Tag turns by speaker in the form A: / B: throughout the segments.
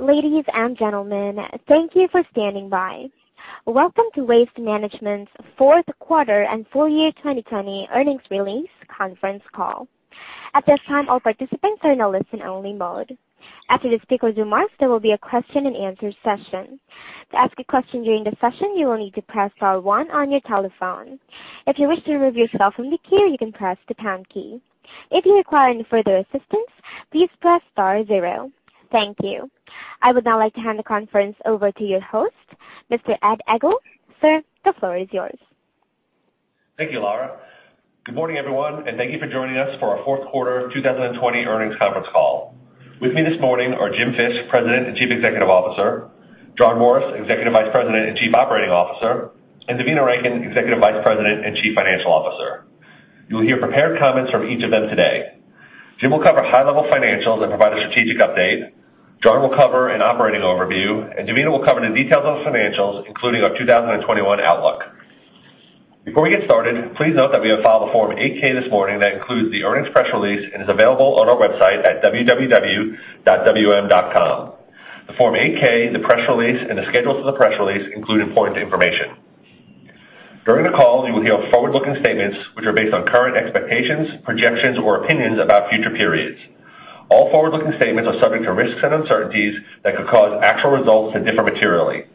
A: Ladies and gentlemen, thank you for standing by. Welcome to Waste Management's fourth quarter and full year 2020 earnings release conference call. At this time, all participants are in a listen-only mode. After the speakers' remarks, there will be a question and answer session. To ask a question during the session, you will need to press star one on your telephone. If you wish to remove yourself from the queue, you can press the pound key. If you require any further assistance, please press star zero. Thank you. I would now like to hand the conference over to your host, Mr. Ed Egl. Sir, the floor is yours.
B: Thank you, Lara. Good morning, everyone, and thank you for joining us for our fourth quarter 2020 earnings conference call. With me this morning are Jim Fish, President and Chief Executive Officer, John Morris, Executive Vice President and Chief Operating Officer, and Devina Rankin, Executive Vice President and Chief Financial Officer. You will hear prepared comments from each of them today. Jim will cover high-level financials and provide a strategic update. John will cover an operating overview, and Devina will cover the details on financials, including our 2021 outlook. Before we get started, please note that we have filed a Form 8-K this morning that includes the earnings press release and is available on our website at www.wm.com. The Form 8-K, the press release, and the schedules for the press release include important information. During the call, you will hear forward-looking statements, which are based on current expectations, projections, or opinions about future periods. All forward-looking statements are subject to risks and uncertainties that could cause actual results to differ materially.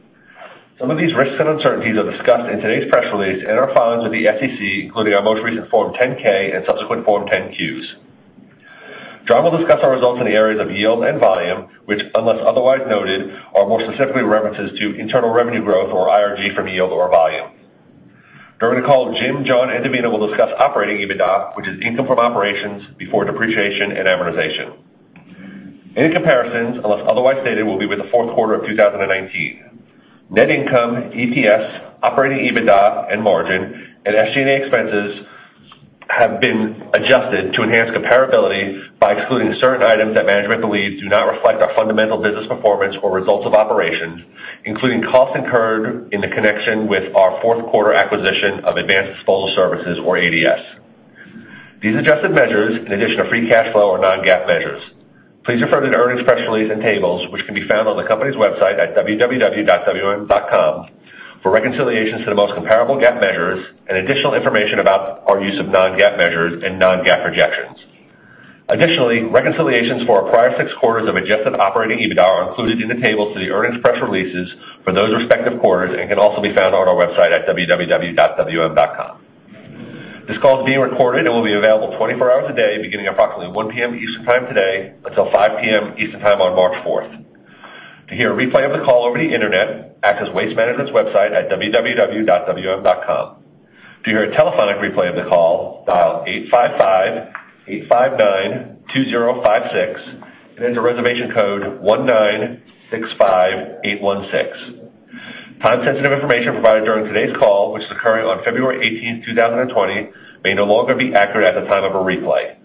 B: Some of these risks and uncertainties are discussed in today's press release and our filings with the SEC, including our most recent Form 10-K and subsequent Form 10-Q. John will discuss our results in the areas of yield and volume, which, unless otherwise noted, are more specifically references to internal revenue growth, or IRG, from yield or volume. During the call, Jim, John, and Devina will discuss operating EBITDA, which is income from operations before depreciation and amortization. Any comparisons, unless otherwise stated, will be with the fourth quarter of 2019. Net income, EPS, operating EBITDA and margin, and SG&A expenses have been adjusted to enhance comparability by excluding certain items that management believes do not reflect our fundamental business performance or results of operations, including costs incurred in the connection with our 4th quarter acquisition of Advanced Disposal Services, or ADS. These adjusted measures, in addition to free cash flow, are non-GAAP measures. Please refer to the earnings press release and tables which can be found on the company's website at www.wm.com for reconciliations to the most comparable GAAP measures and additional information about our use of non-GAAP measures and non-GAAP projections. Additionally, reconciliations for our prior six quarters of adjusted operating EBITDA are included in the tables to the earnings press releases for those respective quarters and can also be found on our website at www.wm.com. This call is being recorded and will be available 24 hours a day beginning approximately 1:00 P.M. Eastern Time today until 5:00 P.M. Eastern Time on March 4th. To hear a replay of the call over the internet, access Waste Management's website at www.wm.com. To hear a telephonic replay of the call, dial 855-859-2056 and enter reservation code 1965816. Time-sensitive information provided during today's call, which is occurring on February 18th, 2020, may no longer be accurate at the time of a replay.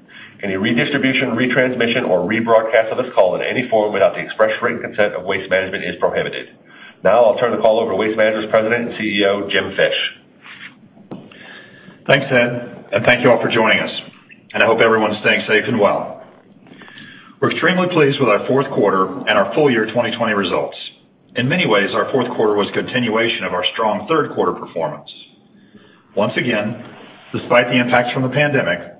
B: Any redistribution, retransmission, or rebroadcast of this call in any form without the express written consent of Waste Management is prohibited. Now I'll turn the call over to Waste Management's President and CEO, Jim Fish.
C: Thanks, Ed, thank you all for joining us. I hope everyone's staying safe and well. We're extremely pleased with our fourth quarter and our full year 2020 results. In many ways, our fourth quarter was a continuation of our strong third quarter performance. Once again, despite the impacts from the pandemic,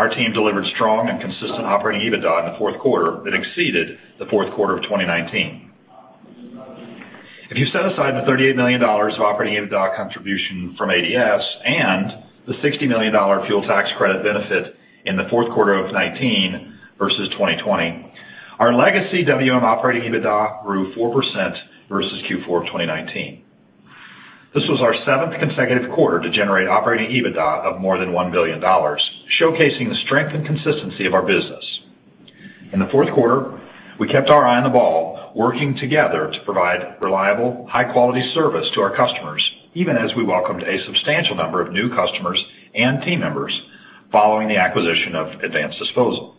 C: our team delivered strong and consistent operating EBITDA in the fourth quarter that exceeded the fourth quarter of 2019. If you set aside the $38 million of operating EBITDA contribution from ADS and the $60 million fuel tax credit benefit in the fourth quarter of 2019 versus 2020, our legacy WM operating EBITDA grew 4% versus Q4 of 2019. This was our seventh consecutive quarter to generate operating EBITDA of more than $1 billion, showcasing the strength and consistency of our business. In the fourth quarter, we kept our eye on the ball, working together to provide reliable, high-quality service to our customers, even as we welcomed a substantial number of new customers and team members following the acquisition of Advanced Disposal.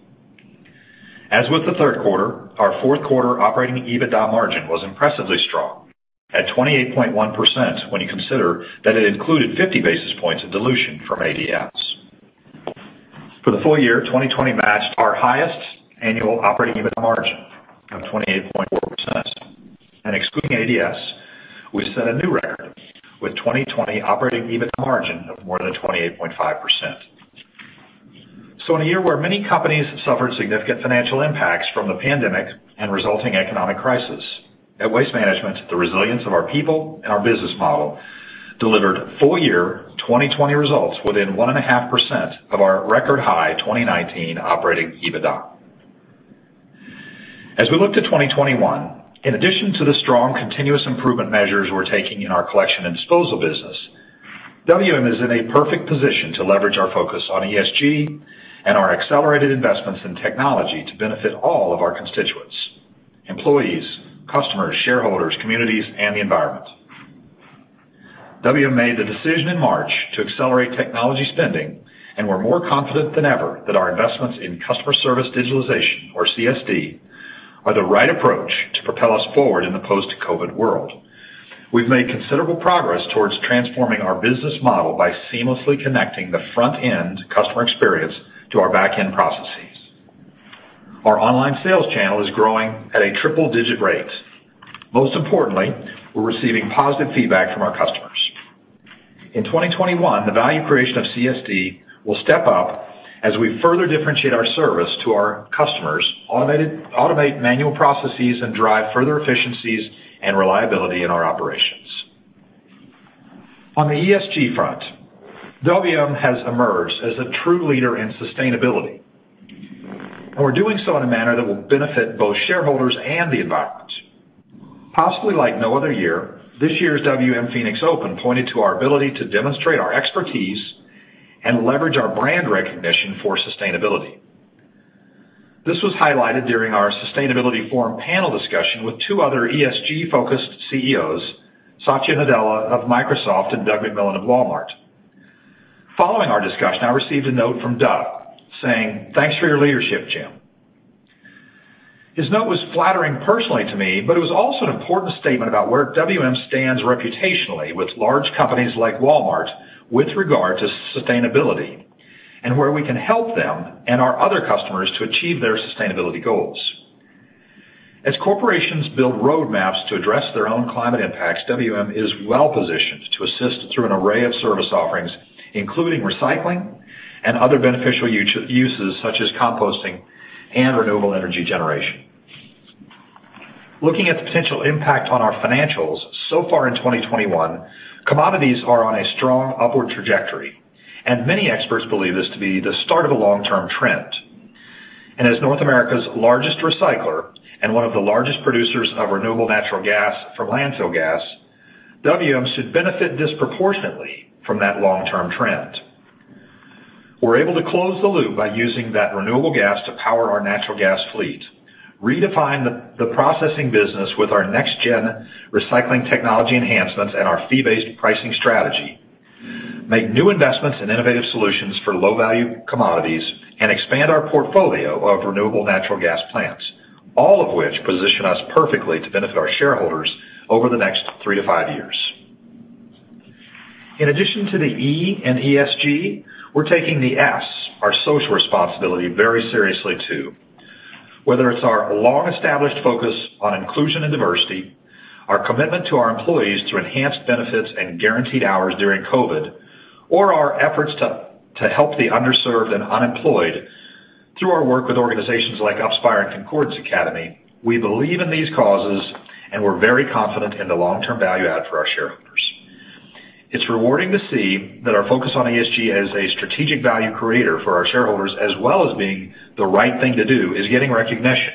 C: As with the third quarter, our fourth quarter operating EBITDA margin was impressively strong at 28.1% when you consider that it included 50 basis points of dilution from ADS. For the full year, 2020 matched our highest annual operating EBITDA margin of 28.4%. Excluding ADS, we set a new record with 2020 operating EBITDA margin of more than 28.5%. In a year where many companies suffered significant financial impacts from the pandemic and resulting economic crisis, at Waste Management, the resilience of our people and our business model delivered full year 2020 results within 1.5% of our record high 2019 operating EBITDA. As we look to 2021, in addition to the strong continuous improvement measures we're taking in our collection and disposal business, WM is in a perfect position to leverage our focus on ESG and our accelerated investments in technology to benefit all of our constituents: employees, customers, shareholders, communities, and the environment. WM made the decision in March to accelerate technology spending and we're more confident than ever that our investments in customer service digitalization, or CSD, are the right approach to propel us forward in the post-COVID world. We've made considerable progress towards transforming our business model by seamlessly connecting the front end customer experience to our backend processes. Our online sales channel is growing at a triple digit rate. Most importantly, we're receiving positive feedback from our customers. In 2021, the value creation of CSD will step up as we further differentiate our service to our customers, automate manual processes, and drive further efficiencies and reliability in our operations. On the ESG front, WM has emerged as a true leader in sustainability, and we're doing so in a manner that will benefit both shareholders and the environment. Possibly like no other year, this year's WM Phoenix Open pointed to our ability to demonstrate our expertise and leverage our brand recognition for sustainability. This was highlighted during our Sustainability Forum panel discussion with two other ESG-focused CEOs, Satya Nadella of Microsoft and Doug McMillon of Walmart. Following our discussion, I received a note from Doug saying, "Thanks for your leadership, Jim." His note was flattering personally to me, but it was also an important statement about where WM stands reputationally with large companies like Walmart with regard to sustainability and where we can help them and our other customers to achieve their sustainability goals. As corporations build roadmaps to address their own climate impacts, WM is well-positioned to assist through an array of service offerings, including recycling and other beneficial uses such as composting and renewable energy generation. Looking at the potential impact on our financials so far in 2021, commodities are on a strong upward trajectory, and many experts believe this to be the start of a long-term trend. As North America's largest recycler and one of the largest producers of renewable natural gas from landfill gas, WM should benefit disproportionately from that long-term trend. We're able to close the loop by using that renewable gas to power our natural gas fleet, redefine the processing business with our next gen recycling technology enhancements and our fee-based pricing strategy, make new investments in innovative solutions for low-value commodities, and expand our portfolio of renewable natural gas plants, all of which position us perfectly to benefit our shareholders over the next three to five years. In addition to the E in ESG, we're taking the S, our social responsibility very seriously too. Whether it's our long-established focus on inclusion and diversity, our commitment to our employees to enhanced benefits and guaranteed hours during COVID, or our efforts to help the underserved and unemployed through our work with organizations like Upswing Concordance Academy, we believe in these causes, and we're very confident in the long-term value add for our shareholders. It's rewarding to see that our focus on ESG as a strategic value creator for our shareholders as well as being the right thing to do is getting recognition.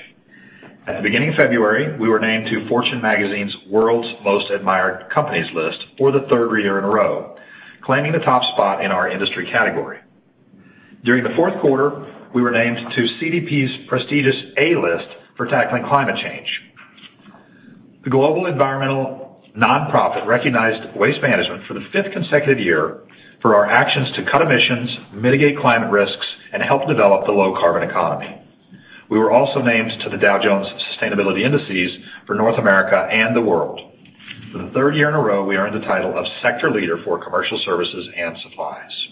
C: At the beginning of February, we were named to Fortune Magazine's World's Most Admired Companies list for the third year in a row, claiming the top spot in our industry category. During the fourth quarter, we were named to CDP's prestigious A List for tackling climate change. The global environmental non-profit recognized Waste Management for the fifth consecutive year for our actions to cut emissions, mitigate climate risks, and help develop the low-carbon economy. We were also named to the Dow Jones Sustainability Indices for North America and the world. For the third year in a row, we earned the title of sector leader for commercial services and supplies.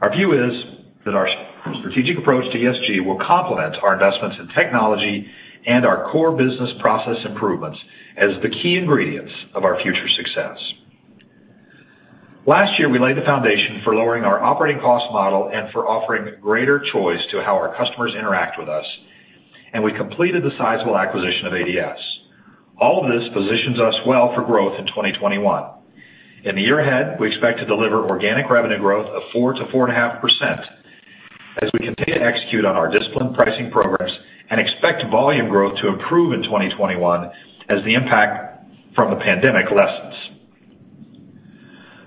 C: Our view is that our strategic approach to ESG will complement our investments in technology and our core business process improvements as the key ingredients of our future success. Last year, we laid the foundation for lowering our operating cost model and for offering greater choice to how our customers interact with us, and we completed the sizable acquisition of ADS. All of this positions us well for growth in 2021. In the year ahead, we expect to deliver organic revenue growth of 4% to 4.5% as we continue to execute on our disciplined pricing programs and expect volume growth to improve in 2021 as the impact from the pandemic lessens.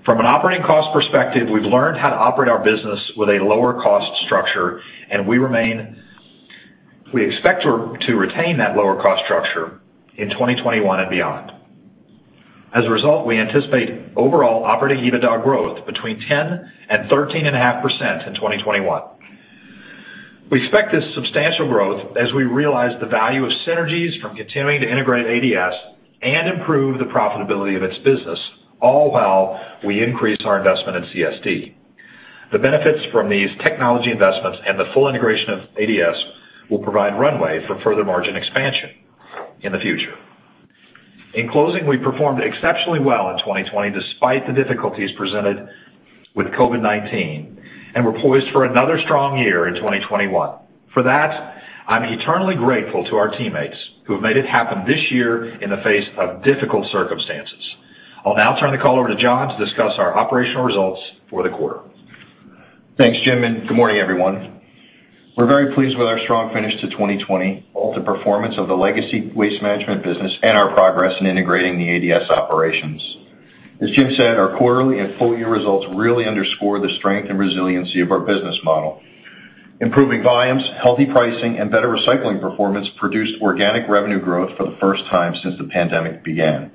C: From an operating cost perspective, we've learned how to operate our business with a lower cost structure, and we expect to retain that lower cost structure in 2021 and beyond. As a result, we anticipate overall operating EBITDA growth between 10% and 13.5% in 2021. We expect this substantial growth as we realize the value of synergies from continuing to integrate ADS and improve the profitability of its business, all while we increase our investment in CSD. The benefits from these technology investments and the full integration of ADS will provide runway for further margin expansion in the future. In closing, we performed exceptionally well in 2020 despite the difficulties presented with COVID-19, and we're poised for another strong year in 2021. For that, I'm eternally grateful to our teammates who have made it happen this year in the face of difficult circumstances. I'll now turn the call over to John to discuss our operational results for the quarter.
D: Thanks, Jim. Good morning, everyone. We're very pleased with our strong finish to 2020, both the performance of the legacy Waste Management business and our progress in integrating the ADS operations. As Jim said, our quarterly and full-year results really underscore the strength and resiliency of our business model. Improving volumes, healthy pricing, and better recycling performance produced organic revenue growth for the first time since the pandemic began.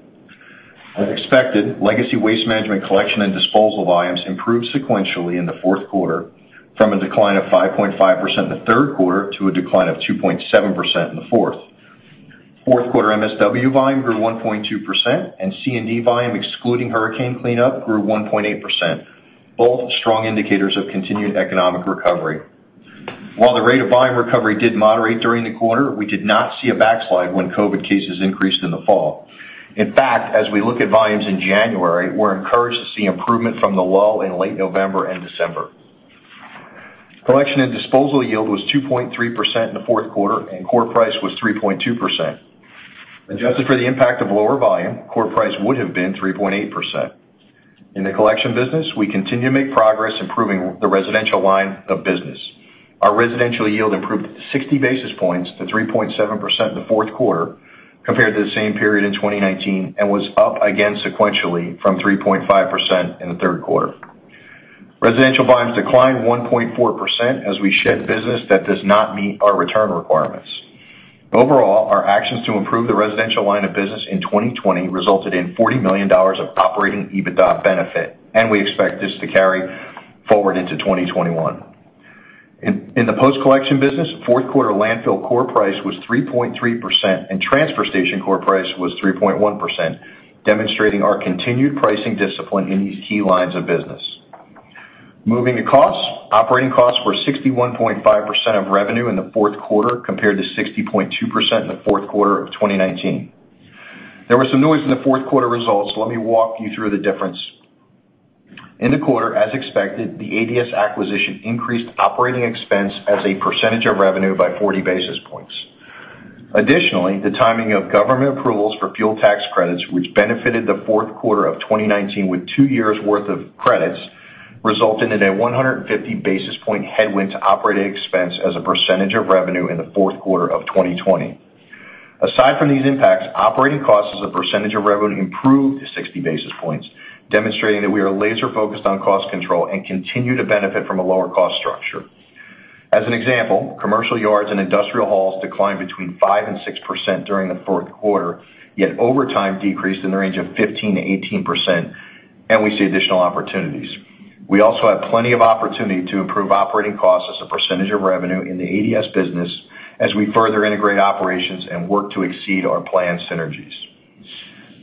D: As expected, legacy Waste Management collection and disposal volumes improved sequentially in the fourth quarter, from a decline of 5.5% in the third quarter to a decline of 2.7% in the fourth. Fourth quarter MSW volume grew 1.2%, and C&D volume, excluding hurricane cleanup, grew 1.8%. Both strong indicators of continued economic recovery. While the rate of volume recovery did moderate during the quarter, we did not see a backslide when COVID cases increased in the fall. In fact, as we look at volumes in January, we're encouraged to see improvement from the lull in late November and December. Collection and disposal yield was 2.3% in the fourth quarter, and core price was 3.2%. Adjusted for the impact of lower volume, core price would have been 3.8%. In the collection business, we continue to make progress improving the residential line of business. Our residential yield improved 60 basis points to 3.7% in the fourth quarter compared to the same period in 2019, and was up again sequentially from 3.5% in the third quarter. Residential volumes declined 1.4% as we shed business that does not meet our return requirements. Overall, our actions to improve the residential line of business in 2020 resulted in $40 million of operating EBITDA benefit, and we expect this to carry forward into 2021. In the post-collection business, fourth quarter landfill core price was 3.3%, and transfer station core price was 3.1%, demonstrating our continued pricing discipline in these key lines of business. Moving to costs. Operating costs were 61.5% of revenue in the fourth quarter, compared to 60.2% in the fourth quarter of 2019. There was some noise in the fourth quarter results. Let me walk you through the difference. In the quarter, as expected, the ADS acquisition increased operating expense as a percentage of revenue by 40 basis points. Additionally, the timing of government approvals for fuel tax credits, which benefited the fourth quarter of 2019 with two years worth of credits, resulted in a 150 basis point headwind to operating expense as a percentage of revenue in the fourth quarter of 2020. Aside from these impacts, operating costs as a percentage of revenue improved 60 basis points, demonstrating that we are laser-focused on cost control and continue to benefit from a lower cost structure. As an example, commercial yards and industrial hauls declined between 5% and 6% during the fourth quarter, yet overtime decreased in the range of 15%-18%. We see additional opportunities. We also have plenty of opportunity to improve operating costs as a percentage of revenue in the ADS business as we further integrate operations and work to exceed our planned synergies.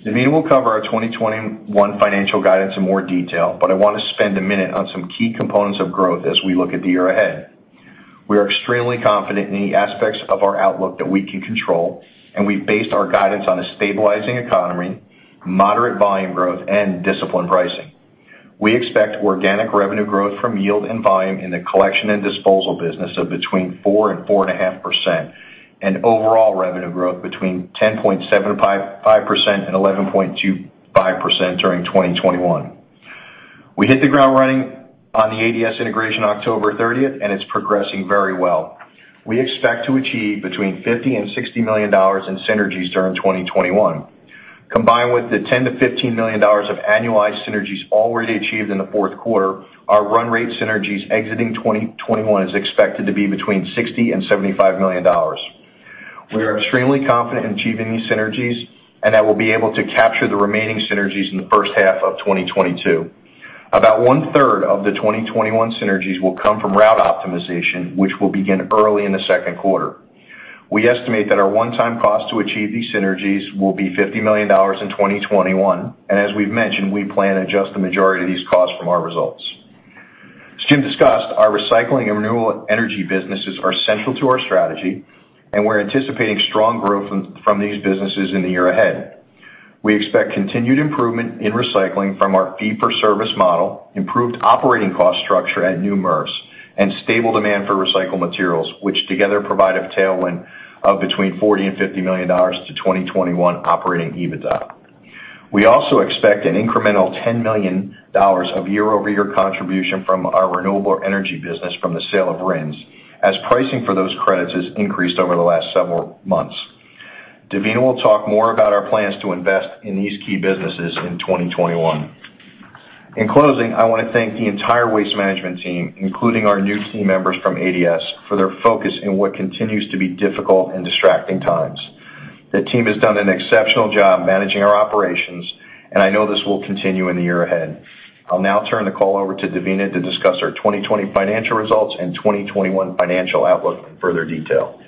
D: Devina will cover our 2021 financial guidance in more detail. I want to spend a minute on some key components of growth as we look at the year ahead. We are extremely confident in the aspects of our outlook that we can control, and we based our guidance on a stabilizing economy, moderate volume growth, and disciplined pricing. We expect organic revenue growth from yield and volume in the collection and disposal business of between 4% and 4.5%, and overall revenue growth between 10.75% and 11.25% during 2021. We hit the ground running on the ADS integration October 30th, and it's progressing very well. We expect to achieve between $50 million and $60 million in synergies during 2021. Combined with the $10 million to $15 million of annualized synergies already achieved in the fourth quarter, our run rate synergies exiting 2021 is expected to be between $60 million and $75 million. We are extremely confident in achieving these synergies and that we'll be able to capture the remaining synergies in the first half of 2022. About one-third of the 2021 synergies will come from route optimization, which will begin early in the second quarter. We estimate that our one-time cost to achieve these synergies will be $50 million in 2021, and as we've mentioned, we plan to adjust the majority of these costs from our results. As Jim discussed, our recycling and renewable energy businesses are central to our strategy, and we're anticipating strong growth from these businesses in the year ahead. We expect continued improvement in recycling from our fee-for-service model, improved operating cost structure at new MRFs, and stable demand for recycled materials, which together provide a tailwind of between $40 million and $50 million to 2021 operating EBITDA. We also expect an incremental $10 million of year-over-year contribution from our renewable energy business from the sale of RINs, as pricing for those credits has increased over the last several months. Devina will talk more about our plans to invest in these key businesses in 2021. In closing, I want to thank the entire Waste Management team, including our new team members from ADS, for their focus in what continues to be difficult and distracting times. The team has done an exceptional job managing our operations, and I know this will continue in the year ahead. I'll now turn the call over to Devina to discuss our 2020 financial results and 2021 financial outlook in further detail.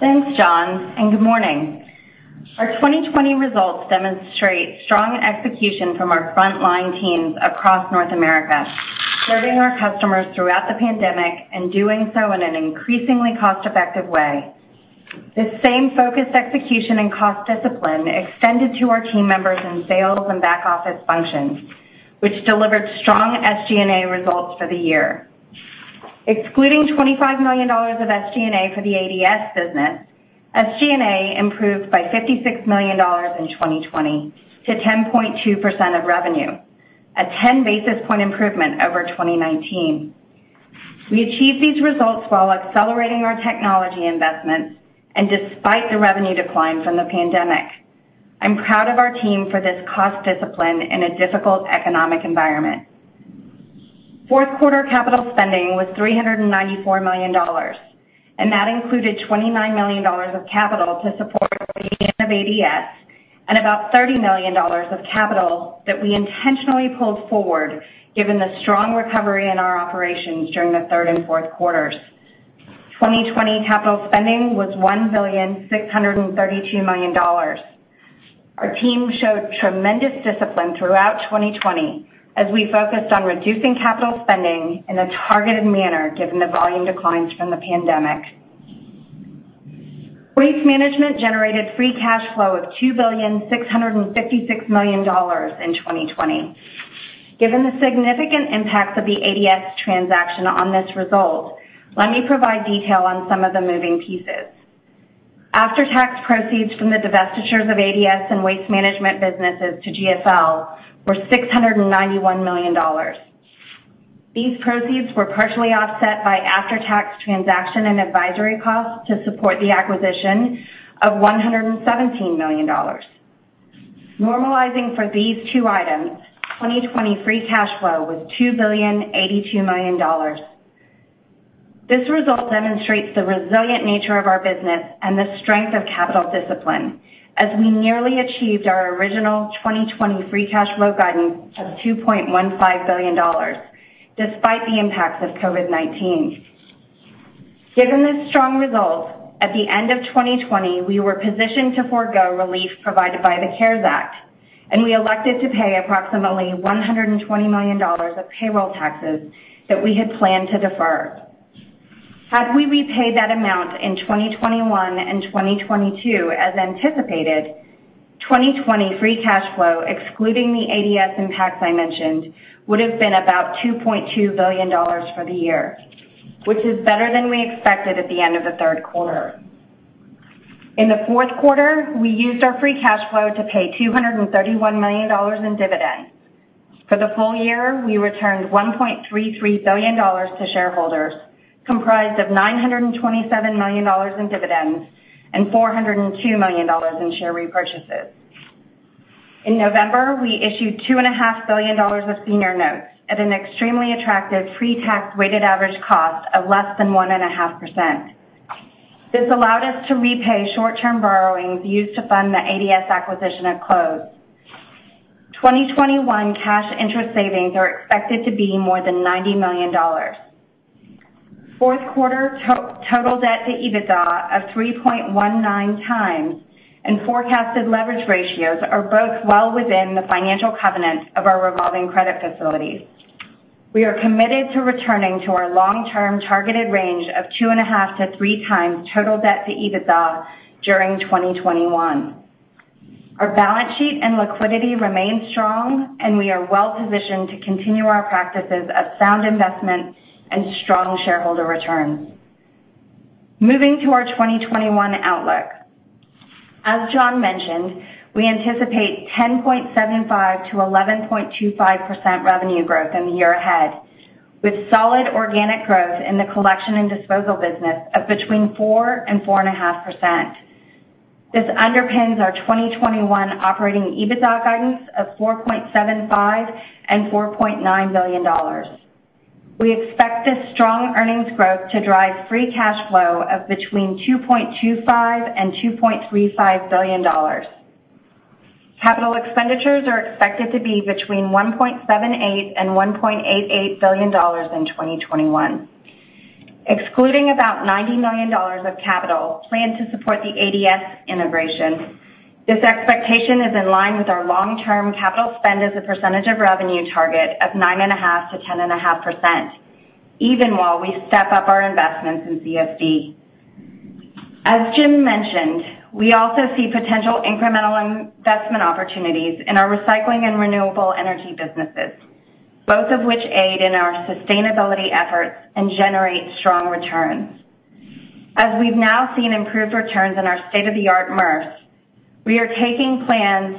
E: Thanks, John, and good morning. Our 2020 results demonstrate strong execution from our frontline teams across North America, serving our customers throughout the pandemic and doing so in an increasingly cost-effective way. This same focused execution and cost discipline extended to our team members in sales and back-office functions, which delivered strong SG&A results for the year. Excluding $25 million of SG&A for the ADS business, SG&A improved by $56 million in 2020 to 10.2% of revenue, a 10 basis point improvement over 2019. We achieved these results while accelerating our technology investments and despite the revenue decline from the pandemic. I'm proud of our team for this cost discipline in a difficult economic environment. Fourth quarter capital spending was $394 million, and that included $29 million of capital to support the gain of ADS and about $30 million of capital that we intentionally pulled forward, given the strong recovery in our operations during the third and fourth quarters. 2020 capital spending was $1,632 million. Our team showed tremendous discipline throughout 2020 as we focused on reducing capital spending in a targeted manner, given the volume declines from the pandemic. Waste Management generated free cash flow of $2,656 million in 2020. Given the significant impacts of the ADS transaction on this result, let me provide detail on some of the moving pieces. After-tax proceeds from the divestitures of ADS and Waste Management businesses to GFL were $691 million. These proceeds were partially offset by after-tax transaction and advisory costs to support the acquisition of $117 million. Normalizing for these two items, 2020 free cash flow was $2,082,000,000. This result demonstrates the resilient nature of our business and the strength of capital discipline as we nearly achieved our original 2020 free cash flow guidance of $2.15 billion, despite the impacts of COVID-19. Given this strong result, at the end of 2020, we were positioned to forgo relief provided by the CARES Act, and we elected to pay approximately $120 million of payroll taxes that we had planned to defer. Had we repaid that amount in 2021 and 2022 as anticipated, 2020 free cash flow, excluding the ADS impacts I mentioned, would have been about $2.2 billion for the year, which is better than we expected at the end of the third quarter. In the fourth quarter, we used our free cash flow to pay $231 million in dividends. For the full year, we returned $1.33 billion to shareholders, comprised of $927 million in dividends and $402 million in share repurchases. In November, we issued $2.5 billion of senior notes at an extremely attractive pre-tax weighted average cost of less than 1.5%. This allowed us to repay short-term borrowings used to fund the ADS acquisition at close. 2021 cash interest savings are expected to be more than $90 million. Fourth quarter total debt to EBITDA of 3.19x and forecasted leverage ratios are both well within the financial covenants of our revolving credit facilities. We are committed to returning to our long-term targeted range of 2.5x-3x total debt to EBITDA during 2021. Our balance sheet and liquidity remain strong, we are well positioned to continue our practices of sound investment and strong shareholder returns. Moving to our 2021 outlook. As John mentioned, we anticipate 10.75%-11.25% revenue growth in the year ahead, with solid organic growth in the collection and disposal business of between 4% and 4.5%. This underpins our 2021 operating EBITDA guidance of $4.75 billion and $4.9 billion. We expect this strong earnings growth to drive free cash flow of between $2.25 billion and $2.35 billion. Capital expenditures are expected to be between $1.78 billion and $1.88 billion in 2021. Excluding about $90 million of capital planned to support the ADS integration, this expectation is in line with our long-term capital spend as a percentage of revenue target of 9.5%-10.5%, even while we step up our investments in CSD. As Jim mentioned, we also see potential incremental investment opportunities in our recycling and renewable energy businesses, both of which aid in our sustainability efforts and generate strong returns. As we've now seen improved returns in our state-of-the-art MRFs, we are taking plans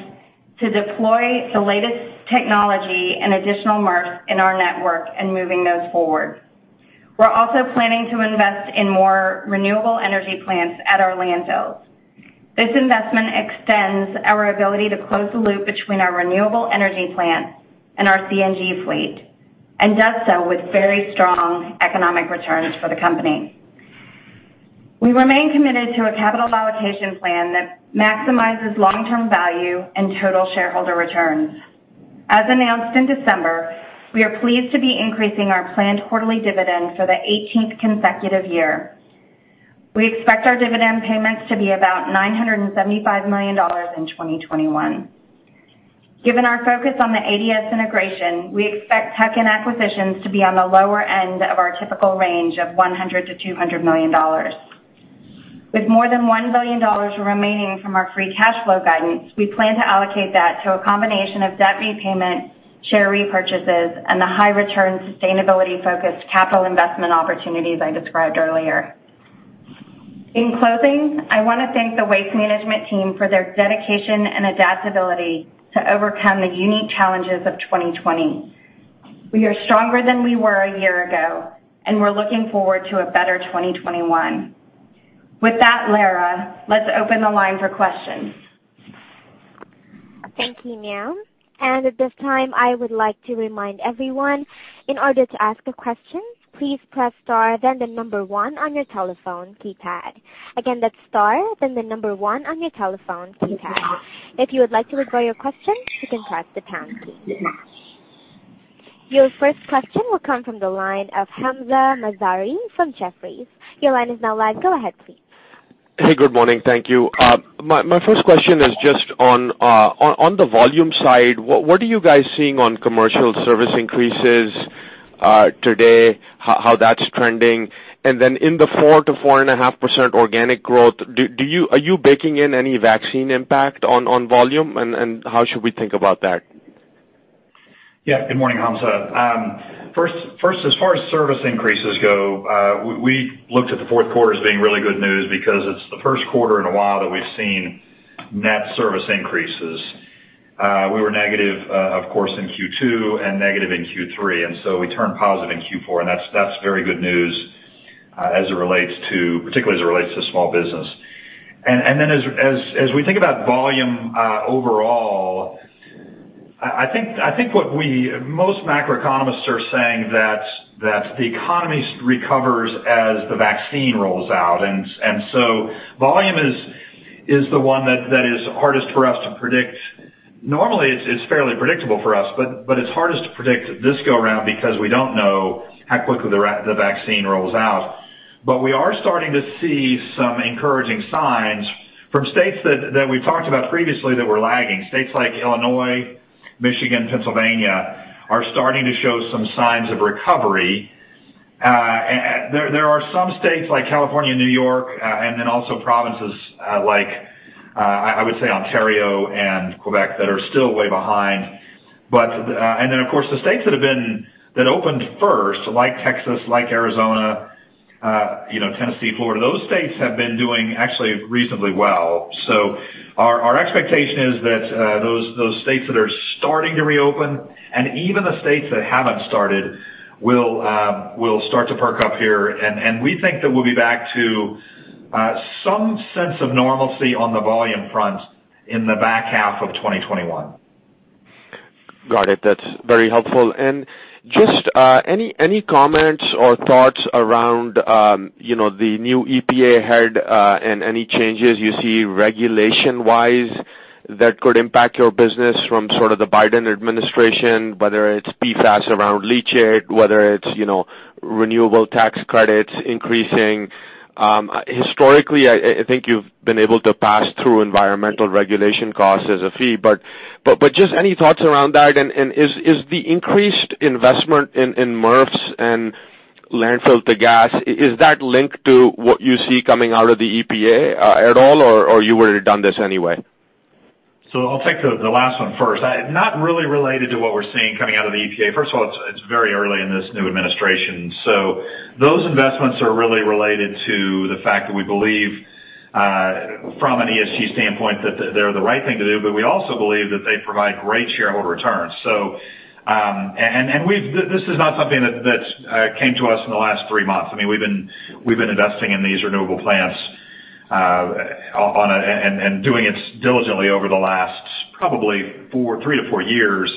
E: to deploy the latest technology and additional MRFs in our network and moving those forward. We're also planning to invest in more renewable energy plants at our landfills. This investment extends our ability to close the loop between our renewable energy plant and our CNG fleet and does so with very strong economic returns for the company. We remain committed to a capital allocation plan that maximizes long-term value and total shareholder returns. As announced in December, we are pleased to be increasing our planned quarterly dividend for the 18th consecutive year. We expect our dividend payments to be about $975 million in 2021. Given our focus on the ADS integration, we expect tuck-in acquisitions to be on the lower end of our typical range of $100 million-$200 million. With more than $1 billion remaining from our free cash flow guidance, we plan to allocate that to a combination of debt repayment, share repurchases, and the high-return, sustainability-focused capital investment opportunities I described earlier. In closing, I want to thank the Waste Management team for their dedication and adaptability to overcome the unique challenges of 2020. We are stronger than we were a year ago, and we're looking forward to a better 2021. With that, Lara, let's open the line for questions.
A: Thank you, ma'am. At this time, I would like to remind everyone, in order to ask a question, please press star then the number one on your telephone keypad. Again, that's star then the number one on your telephone keypad. If you would like to withdraw your question, you can press the pound key. Your first question will come from the line of Hamzah Mazari from Jefferies. Your line is now live. Go ahead, please.
F: Hey, good morning. Thank you. My first question is just on the volume side, what are you guys seeing on commercial service increases today, how that's trending? In the 4%-4.5% organic growth, are you baking in any vaccine impact on volume? How should we think about that?
C: Yeah, good morning, Hamzah. As far as service increases go, we looked at the fourth quarter as being really good news because it's the first quarter in a while that we've seen net service increases. We were negative, of course, in Q2 and negative in Q3, we turned positive in Q4, that's very good news, particularly as it relates to small business. As we think about volume overall, I think what most macroeconomists are saying that the economy recovers as the vaccine rolls out. Volume is the one that is hardest for us to predict. Normally, it's fairly predictable for us, it's hardest to predict this go around because we don't know how quickly the vaccine rolls out. We are starting to see some encouraging signs from states that we've talked about previously that were lagging. States like Illinois, Michigan, Pennsylvania are starting to show some signs of recovery. There are some states like California, New York, and then also provinces like, I would say, Ontario and Quebec, that are still way behind. Then, of course, the states that opened first, like Texas, like Arizona, Tennessee, Florida, those states have been doing actually reasonably well. Our expectation is that those states that are starting to reopen, and even the states that haven't started will start to perk up here. We think that we'll be back to some sense of normalcy on the volume front in the back half of 2021.
F: Got it. That's very helpful. Just any comments or thoughts around the new EPA head and any changes you see regulation-wise that could impact your business from sort of the Biden administration, whether it's PFAS around leachate, whether it's renewable tax credits increasing? Historically, I think you've been able to pass through environmental regulation costs as a fee, but just any thoughts around that? Is the increased investment in MRFs and landfill-to-gas, is that linked to what you see coming out of the EPA at all, or you would've done this anyway?
C: I'll take the last one first. Not really related to what we're seeing coming out of the EPA. First of all, it's very early in this new administration. Those investments are really related to the fact that we believe, from an ESG standpoint, that they're the right thing to do. We also believe that they provide great shareholder returns. This is not something that came to us in the last three months. We've been investing in these renewable plants and doing it diligently over the last probably three to four years.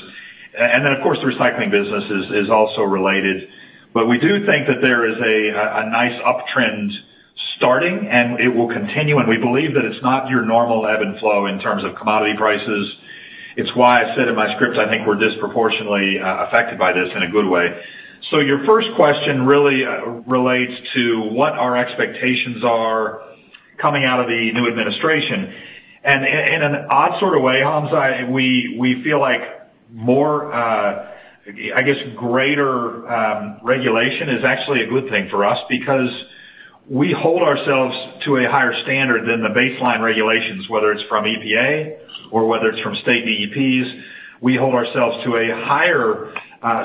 C: Of course, the recycling business is also related. We do think that there is a nice uptrend starting, and it will continue, and we believe that it's not your normal ebb and flow in terms of commodity prices. It's why I said in my script, I think we're disproportionately affected by this in a good way. Your first question really relates to what our expectations are coming out of the new administration. In an odd sort of way, Hamzah, we feel like more, I guess, greater regulation is actually a good thing for us because we hold ourselves to a higher standard than the baseline regulations, whether it's from EPA or whether it's from state DEPs. We hold ourselves to a higher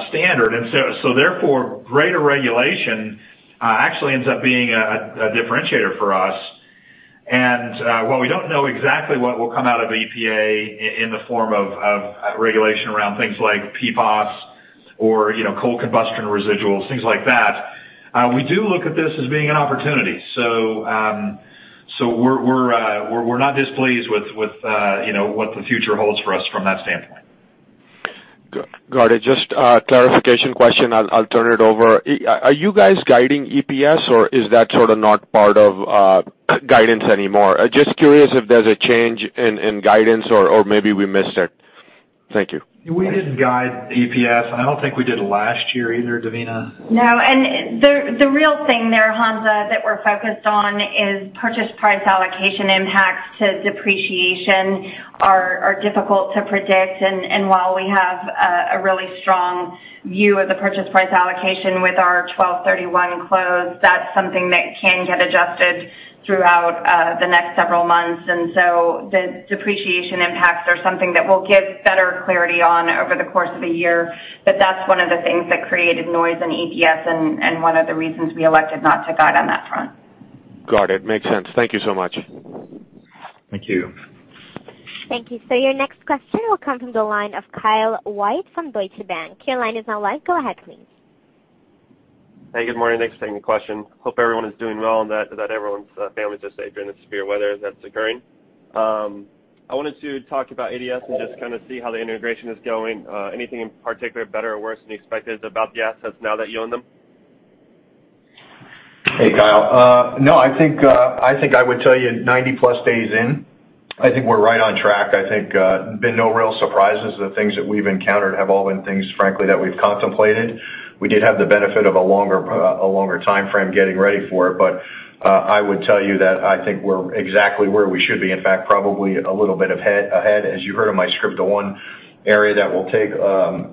C: standard, and so therefore, greater regulation actually ends up being a differentiator for us. While we don't know exactly what will come out of EPA in the form of regulation around things like PFAS or coal combustion residuals, things like that, we do look at this as being an opportunity. We're not displeased with what the future holds for us from that standpoint.
F: Got it. Just a clarification question. I'll turn it over. Are you guys guiding EPS or is that sort of not part of guidance anymore? Just curious if there's a change in guidance or maybe we missed it. Thank you.
C: We didn't guide EPS, and I don't think we did last year either, Devina?
E: No, the real thing there, Hamzah, that we're focused on is purchase price allocation impacts to depreciation are difficult to predict. While we have a really strong view of the purchase price allocation with our 12/31 close, that's something that can get adjusted throughout the next several months. The depreciation impacts are something that we'll give better clarity on over the course of the year. That's one of the things that created noise in EPS and one of the reasons we elected not to guide on that front.
F: Got it. Makes sense. Thank you so much.
C: Thank you.
A: Thank you. Your next question will come from the line of Kyle White from Deutsche Bank. Your line is now live. Go ahead please.
G: Hey, good morning. Thanks for taking the question. Hope everyone is doing well and that everyone's families are safe during the severe weather that's occurring. I wanted to talk about ADS and just kind of see how the integration is going. Anything in particular, better or worse than you expected about the assets now that you own them?
D: Hey, Kyle. I think I would tell you 90+ days in, I think we're right on track. I think there's been no real surprises. The things that we've encountered have all been things, frankly, that we've contemplated. We did have the benefit of a longer timeframe getting ready for it, I would tell you that I think we're exactly where we should be. In fact, probably a little bit ahead. As you heard in my script, the one area that will take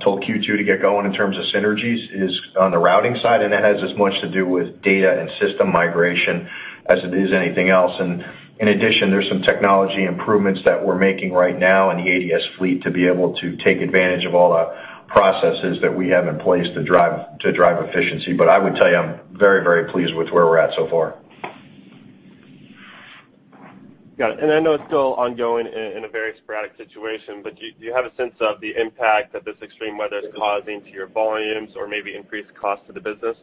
D: till Q2 to get going in terms of synergies is on the routing side, that has as much to do with data and system migration as it is anything else. In addition, there's some technology improvements that we're making right now in the ADS fleet to be able to take advantage of all the processes that we have in place to drive efficiency. I would tell you, I'm very, very pleased with where we're at so far.
G: Got it. I know it's still ongoing in a very sporadic situation, but do you have a sense of the impact that this extreme weather is causing to your volumes or maybe increased cost to the business?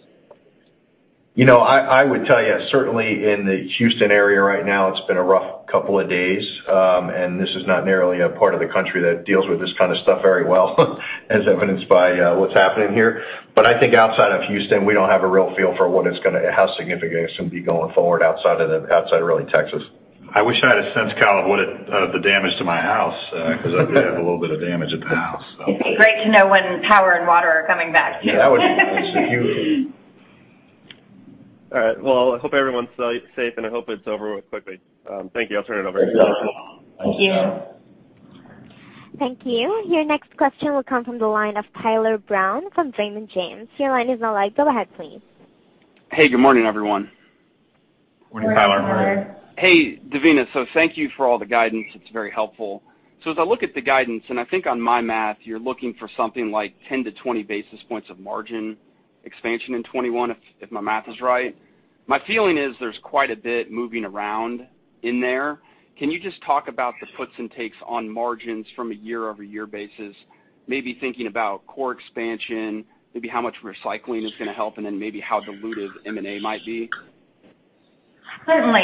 D: I would tell you, certainly in the Houston area right now, it's been a rough couple of days. This is not narrowly a part of the country that deals with this kind of stuff very well, as evidenced by what's happening here. I think outside of Houston, we don't have a real feel for how significant it's going to be going forward outside really Texas. I wish I had a sense, Kyle, of the damage to my house, because I do have a little bit of damage at the house.
E: It'd be great to know when power and water are coming back too.
D: Yeah, that would be nice. It's a huge issue.
G: All right. Well, I hope everyone's safe, and I hope it's over with quickly. Thank you. I'll turn it over.
D: Thanks, Kyle.
E: Thank you.
A: Thank you. Your next question will come from the line of Tyler Brown from Raymond James. Your line is now live. Go ahead, please.
H: Hey, good morning, everyone.
D: Morning, Tyler. How are you?
E: Good morning.
H: Hey, Devina. Thank you for all the guidance. It's very helpful. As I look at the guidance, and I think on my math, you're looking for something like 10 to 20 basis points of margin expansion in 2021, if my math is right. My feeling is there's quite a bit moving around in there. Can you just talk about the puts and takes on margins from a year-over-year basis? Maybe thinking about core expansion, maybe how much recycling is going to help, and then maybe how dilutive M&A might be.
E: Certainly.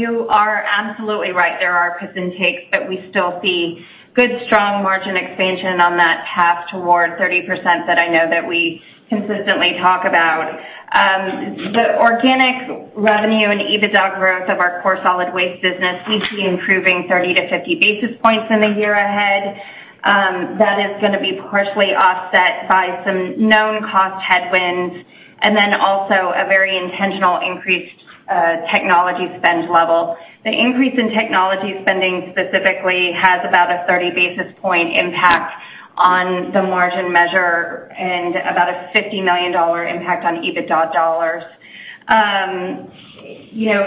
E: You are absolutely right. There are puts and takes, we still see good, strong margin expansion on that path toward 30% that I know that we consistently talk about. The organic revenue and EBITDA growth of our core solid waste business, we see improving 30 to 50 basis points in the year ahead. That is going to be partially offset by some known cost headwinds and then also a very intentional increased technology spend level. The increase in technology spending specifically has about a 30 basis point impact on the margin measure and about a $50 million impact on EBITDA dollars.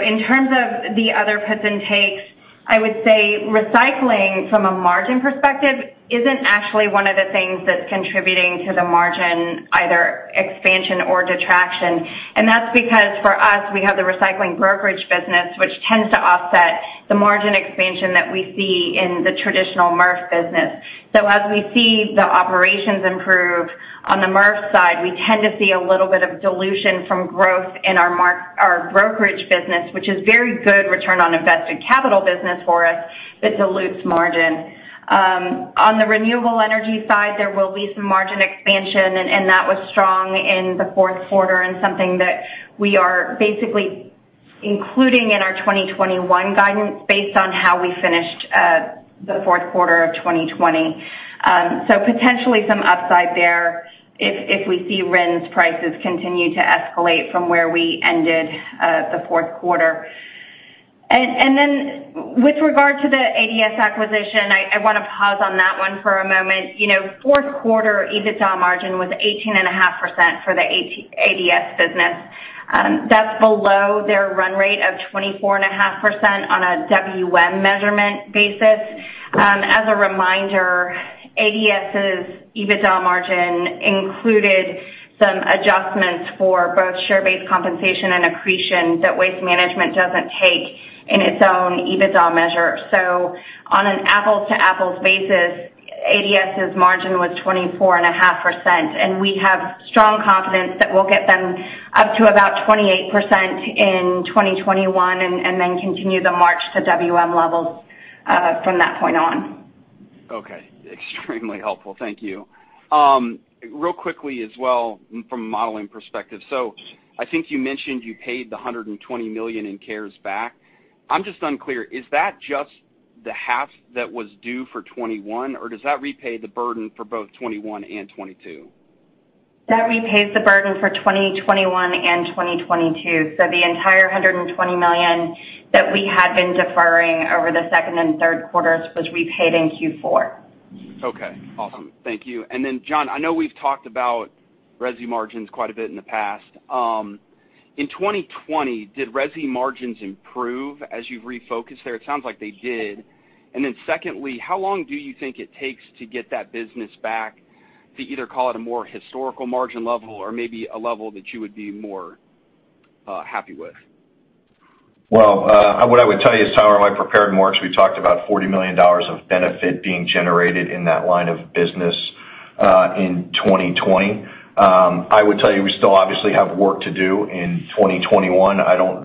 E: In terms of the other puts and takes, I would say recycling from a margin perspective isn't actually one of the things that's contributing to the margin, either expansion or detraction. That's because for us, we have the recycling brokerage business, which tends to offset the margin expansion that we see in the traditional MRF business. As we see the operations improve on the MRF side, we tend to see a little bit of dilution from growth in our brokerage business, which is very good return on invested capital business for us, but dilutes margin. On the renewable energy side, there will be some margin expansion, and that was strong in the fourth quarter and something that we are basically including in our 2021 guidance based on how we finished the fourth quarter of 2020. Potentially some upside there if we see RINs prices continue to escalate from where we ended the fourth quarter. With regard to the ADS acquisition, I want to pause on that one for a moment. Fourth quarter EBITDA margin was 18.5% for the ADS business. That's below their run rate of 24.5% on a WM measurement basis. A reminder, ADS's EBITDA margin included some adjustments for both share-based compensation and accretion that Waste Management doesn't take in its own EBITDA measure. On an apples-to-apples basis, ADS's margin was 24.5%, and we have strong confidence that we'll get them up to about 28% in 2021 and then continue the march to WM levels from that point on.
H: Okay. Extremely helpful. Thank you. Real quickly as well from a modeling perspective. I think you mentioned you paid the $120 million in CARES back. I'm just unclear, is that just the half that was due for 2021, or does that repay the burden for both 2021 and 2022?
E: That repays the burden for 2021 and 2022. The entire $120 million that we had been deferring over the second and third quarters was repaid in Q4.
H: Okay, awesome. Thank you. Then John, I know we've talked about resi margins quite a bit in the past. In 2020, did resi margins improve as you refocused there? It sounds like they did. Secondly, how long do you think it takes to get that business back to either call it a more historical margin level or maybe a level that you would be more happy with?
D: Well, what I would tell you is, Tyler, in my prepared remarks, we talked about $40 million of benefit being generated in that line of business in 2020. I would tell you, we still obviously have work to do in 2021.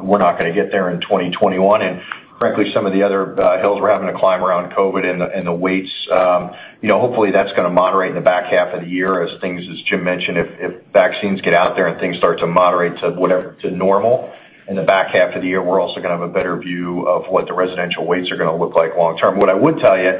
D: We're not going to get there in 2021, and frankly, some of the other hills we're having to climb around COVID and the weights, hopefully that's going to moderate in the back half of the year as things, as Jim mentioned, if vaccines get out there and things start to moderate to normal in the back half of the year, we're also going to have a better view of what the residential weights are going to look like long-term. What I would tell you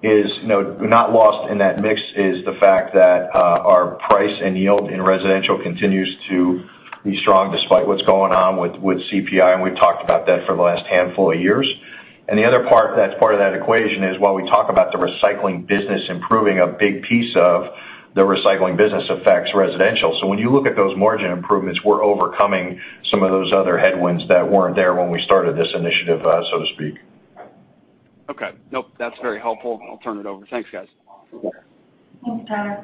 D: is, not lost in that mix is the fact that our price and yield in residential continues to be strong despite what's going on with CPI, and we've talked about that for the last handful of years. The other part that's part of that equation is, while we talk about the recycling business improving, a big piece of the recycling business affects residential. When you look at those margin improvements, we're overcoming some of those other headwinds that weren't there when we started this initiative, so to speak.
H: Okay. Nope, that's very helpful. I'll turn it over. Thanks, guys.
E: Thanks, Tyler.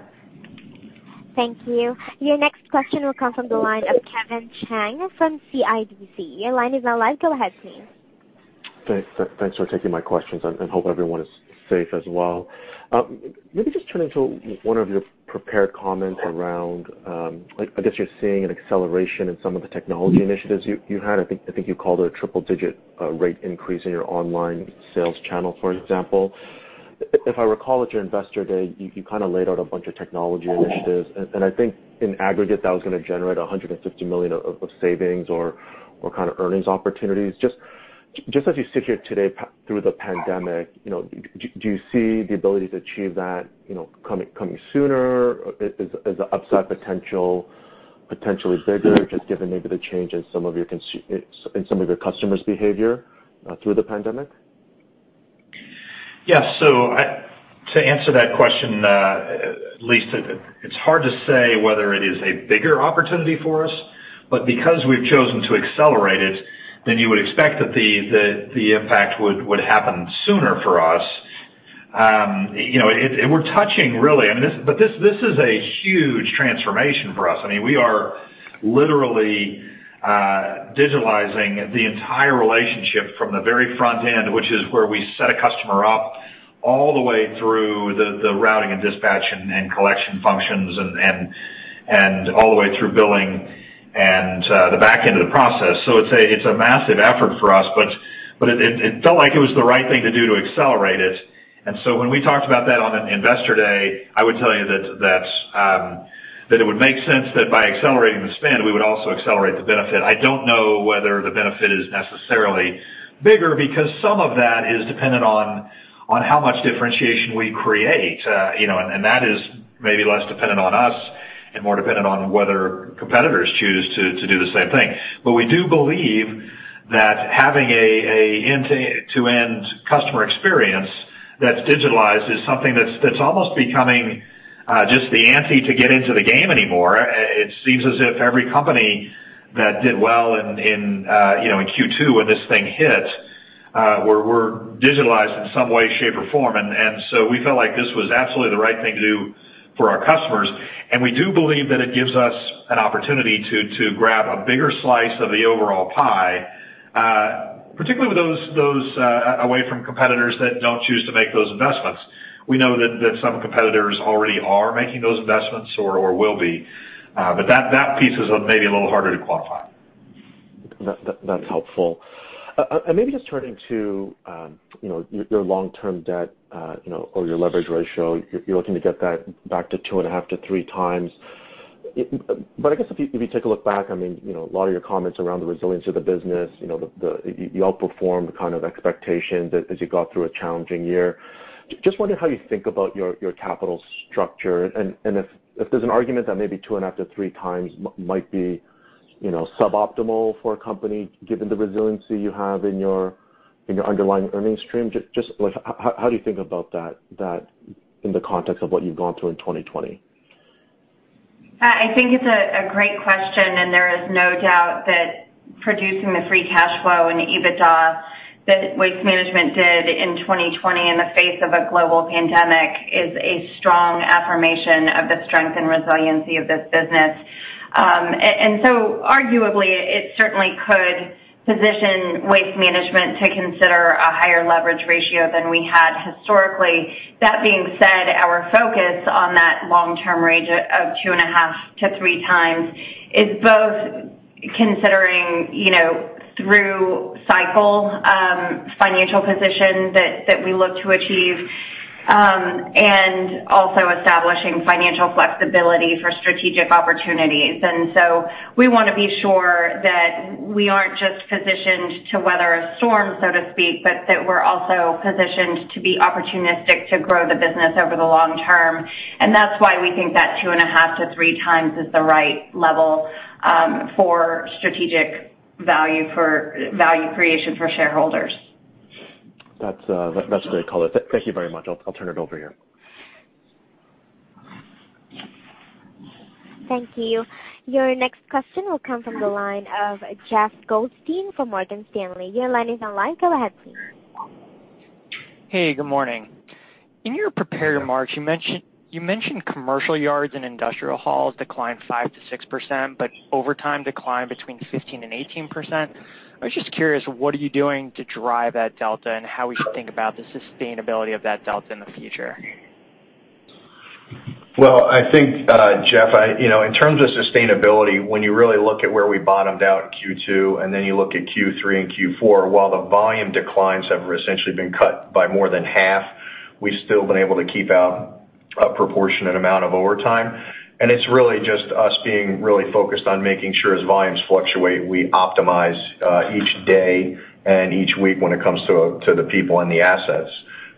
A: Thank you. Your next question will come from the line of Kevin Chiang from CIBC. Go ahead, please.
I: Thanks for taking my questions, and hope everyone is safe as well. Maybe just turning to one of your prepared comments around, I guess you're seeing an acceleration in some of the technology initiatives you had. I think you called it a triple-digit rate increase in your online sales channel, for example. If I recall at your Investor Day, you kind of laid out a bunch of technology initiatives, and I think in aggregate, that was going to generate $150 million of savings or kind of earnings opportunities. Just as you sit here today through the pandemic, do you see the ability to achieve that coming sooner? Is the upside potential bigger, just given maybe the change in some of your customers' behavior through the pandemic?
C: Yeah. To answer that question, at least, it's hard to say whether it is a bigger opportunity for us. Because we've chosen to accelerate it, then you would expect that the impact would happen sooner for us. This is a huge transformation for us. We are literally digitalizing the entire relationship from the very front end, which is where we set a customer up, all the way through the routing and dispatch and collection functions, and all the way through billing and the back end of the process. It's a massive effort for us, but it felt like it was the right thing to do to accelerate it. When we talked about that on Investor Day, I would tell you that it would make sense that by accelerating the spend, we would also accelerate the benefit. I don't know whether the benefit is necessarily bigger, because some of that is dependent on how much differentiation we create, and that is maybe less dependent on us and more dependent on whether competitors choose to do the same thing. We do believe that having an end-to-end customer experience that's digitalized is something that's almost becoming just the ante to get into the game anymore. It seems as if every company that did well in Q2 when this thing hit were digitalized in some way, shape, or form. We felt like this was absolutely the right thing to do for our customers, and we do believe that it gives us an opportunity to grab a bigger slice of the overall pie, particularly with those away from competitors that don't choose to make those investments. We know that some competitors already are making those investments or will be. That piece is maybe a little harder to quantify.
I: That's helpful. Maybe just turning to your long-term debt, or your leverage ratio. You're looking to get that back to two and a half to three times. I guess if you take a look back, a lot of your comments around the resilience of the business, you outperformed the kind of expectations as you got through a challenging year. Just wondering how you think about your capital structure, and if there's an argument that maybe two and a half to three times might be suboptimal for a company given the resiliency you have in your underlying earnings stream. Just how do you think about that in the context of what you've gone through in 2020?
E: I think it's a great question. There is no doubt that producing the free cash flow and EBITDA that Waste Management did in 2020 in the face of a global pandemic is a strong affirmation of the strength and resiliency of this business. Arguably, it certainly could position Waste Management to consider a higher leverage ratio than we had historically. That being said, our focus on that long-term range of two and a half to three times is both considering through cycle financial position that we look to achieve, and also establishing financial flexibility for strategic opportunities. We want to be sure that we aren't just positioned to weather a storm, so to speak, but that we're also positioned to be opportunistic to grow the business over the long term. That's why we think that 2.5x-3x is the right level for strategic value creation for shareholders.
I: That's a great call. Thank you very much. I'll turn it over here.
A: Thank you. Your next question will come from the line of Jeff Goldstein from Morgan Stanley. Your line is now live. Go ahead, please.
J: Hey, good morning. In your prepared remarks, you mentioned commercial yards and industrial hauls declined 5%-6%. Overtime declined between 15% and 18%. I was just curious, what are you doing to drive that delta, and how we should think about the sustainability of that delta in the future?
D: Well, I think, Jeff, in terms of sustainability, when you really look at where we bottomed out in Q2, and then you look at Q3 and Q4, while the volume declines have essentially been cut by more than half, we've still been able to keep out a proportionate amount of overtime. It's really just us being really focused on making sure as volumes fluctuate, we optimize each day and each week when it comes to the people and the assets.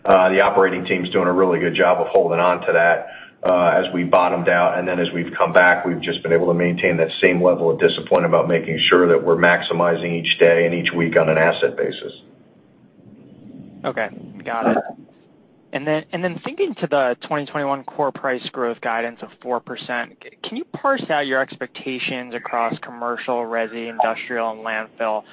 D: The operating team's doing a really good job of holding on to that as we bottomed out, and then as we've come back, we've just been able to maintain that same level of discipline about making sure that we're maximizing each day and each week on an asset basis.
J: Okay. Got it. Thinking to the 2021 core price growth guidance of 4%, can you parse out your expectations across commercial, resi, industrial, and landfill?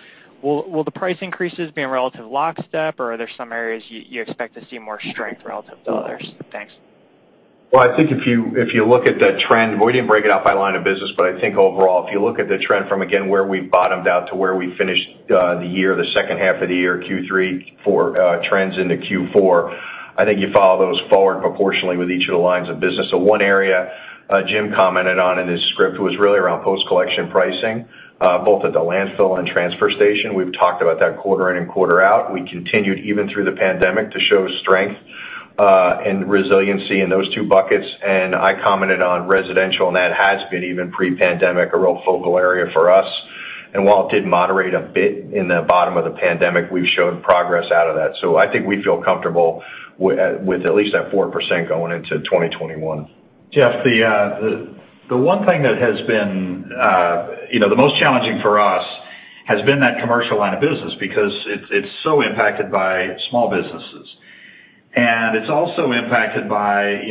J: Will the price increases be in relative lockstep, or are there some areas you expect to see more strength relative to others? Thanks.
D: I think if you look at the trend, we didn't break it out by line of business, but I think overall, if you look at the trend from, again, where we bottomed out to where we finished the year, the second half of the year, Q3 trends into Q4, I think you follow those forward proportionally with each of the lines of business. One area Jim commented on in his script was really around post-collection pricing both at the landfill and transfer station. We've talked about that quarter in and quarter out. We continued even through the pandemic to show strength and resiliency in those two buckets. I commented on residential, and that has been, even pre-pandemic, a real focal area for us. While it did moderate a bit in the bottom of the pandemic, we've shown progress out of that. I think we feel comfortable with at least that 4% going into 2021.
C: Jeff, the most challenging for us has been that commercial line of business because it's so impacted by small businesses. It's also impacted by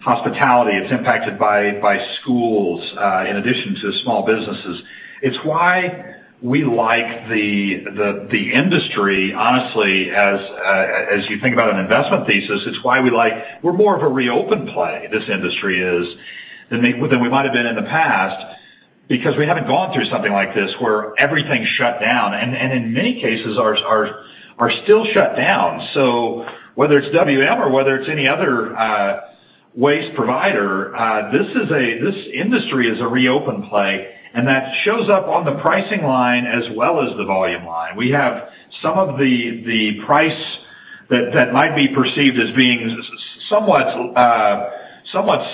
C: hospitality. It's impacted by schools in addition to small businesses. It's why we like the industry, honestly, as you think about an investment thesis, it's why we're more of a reopen play, this industry is, than we might have been in the past because we haven't gone through something like this where everything's shut down, and in many cases, are still shut down. Whether it's WM or whether it's any other waste provider, this industry is a reopen play, and that shows up on the pricing line as well as the volume line. We have some of the price that might be perceived as being somewhat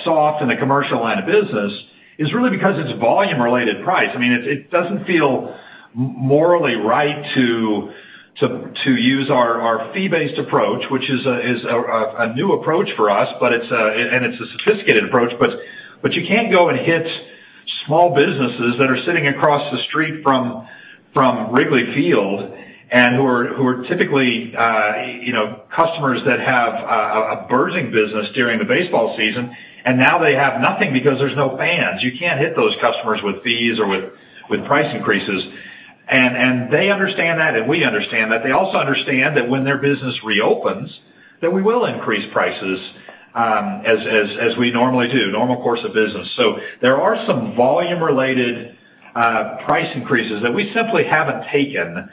C: soft in the commercial line of business is really because it's volume-related price. It doesn't feel morally right to use our fee-based approach, which is a new approach for us, it's a sophisticated approach, but you can't go and hit small businesses that are sitting across the street from Wrigley Field and who are typically customers that have a burgeoning business during the baseball season, and now they have nothing because there's no fans. You can't hit those customers with fees or with price increases. They understand that, and we understand that. They also understand that when their business reopens, that we will increase prices as we normally do, normal course of business. There are some volume-related price increases that we simply haven't taken,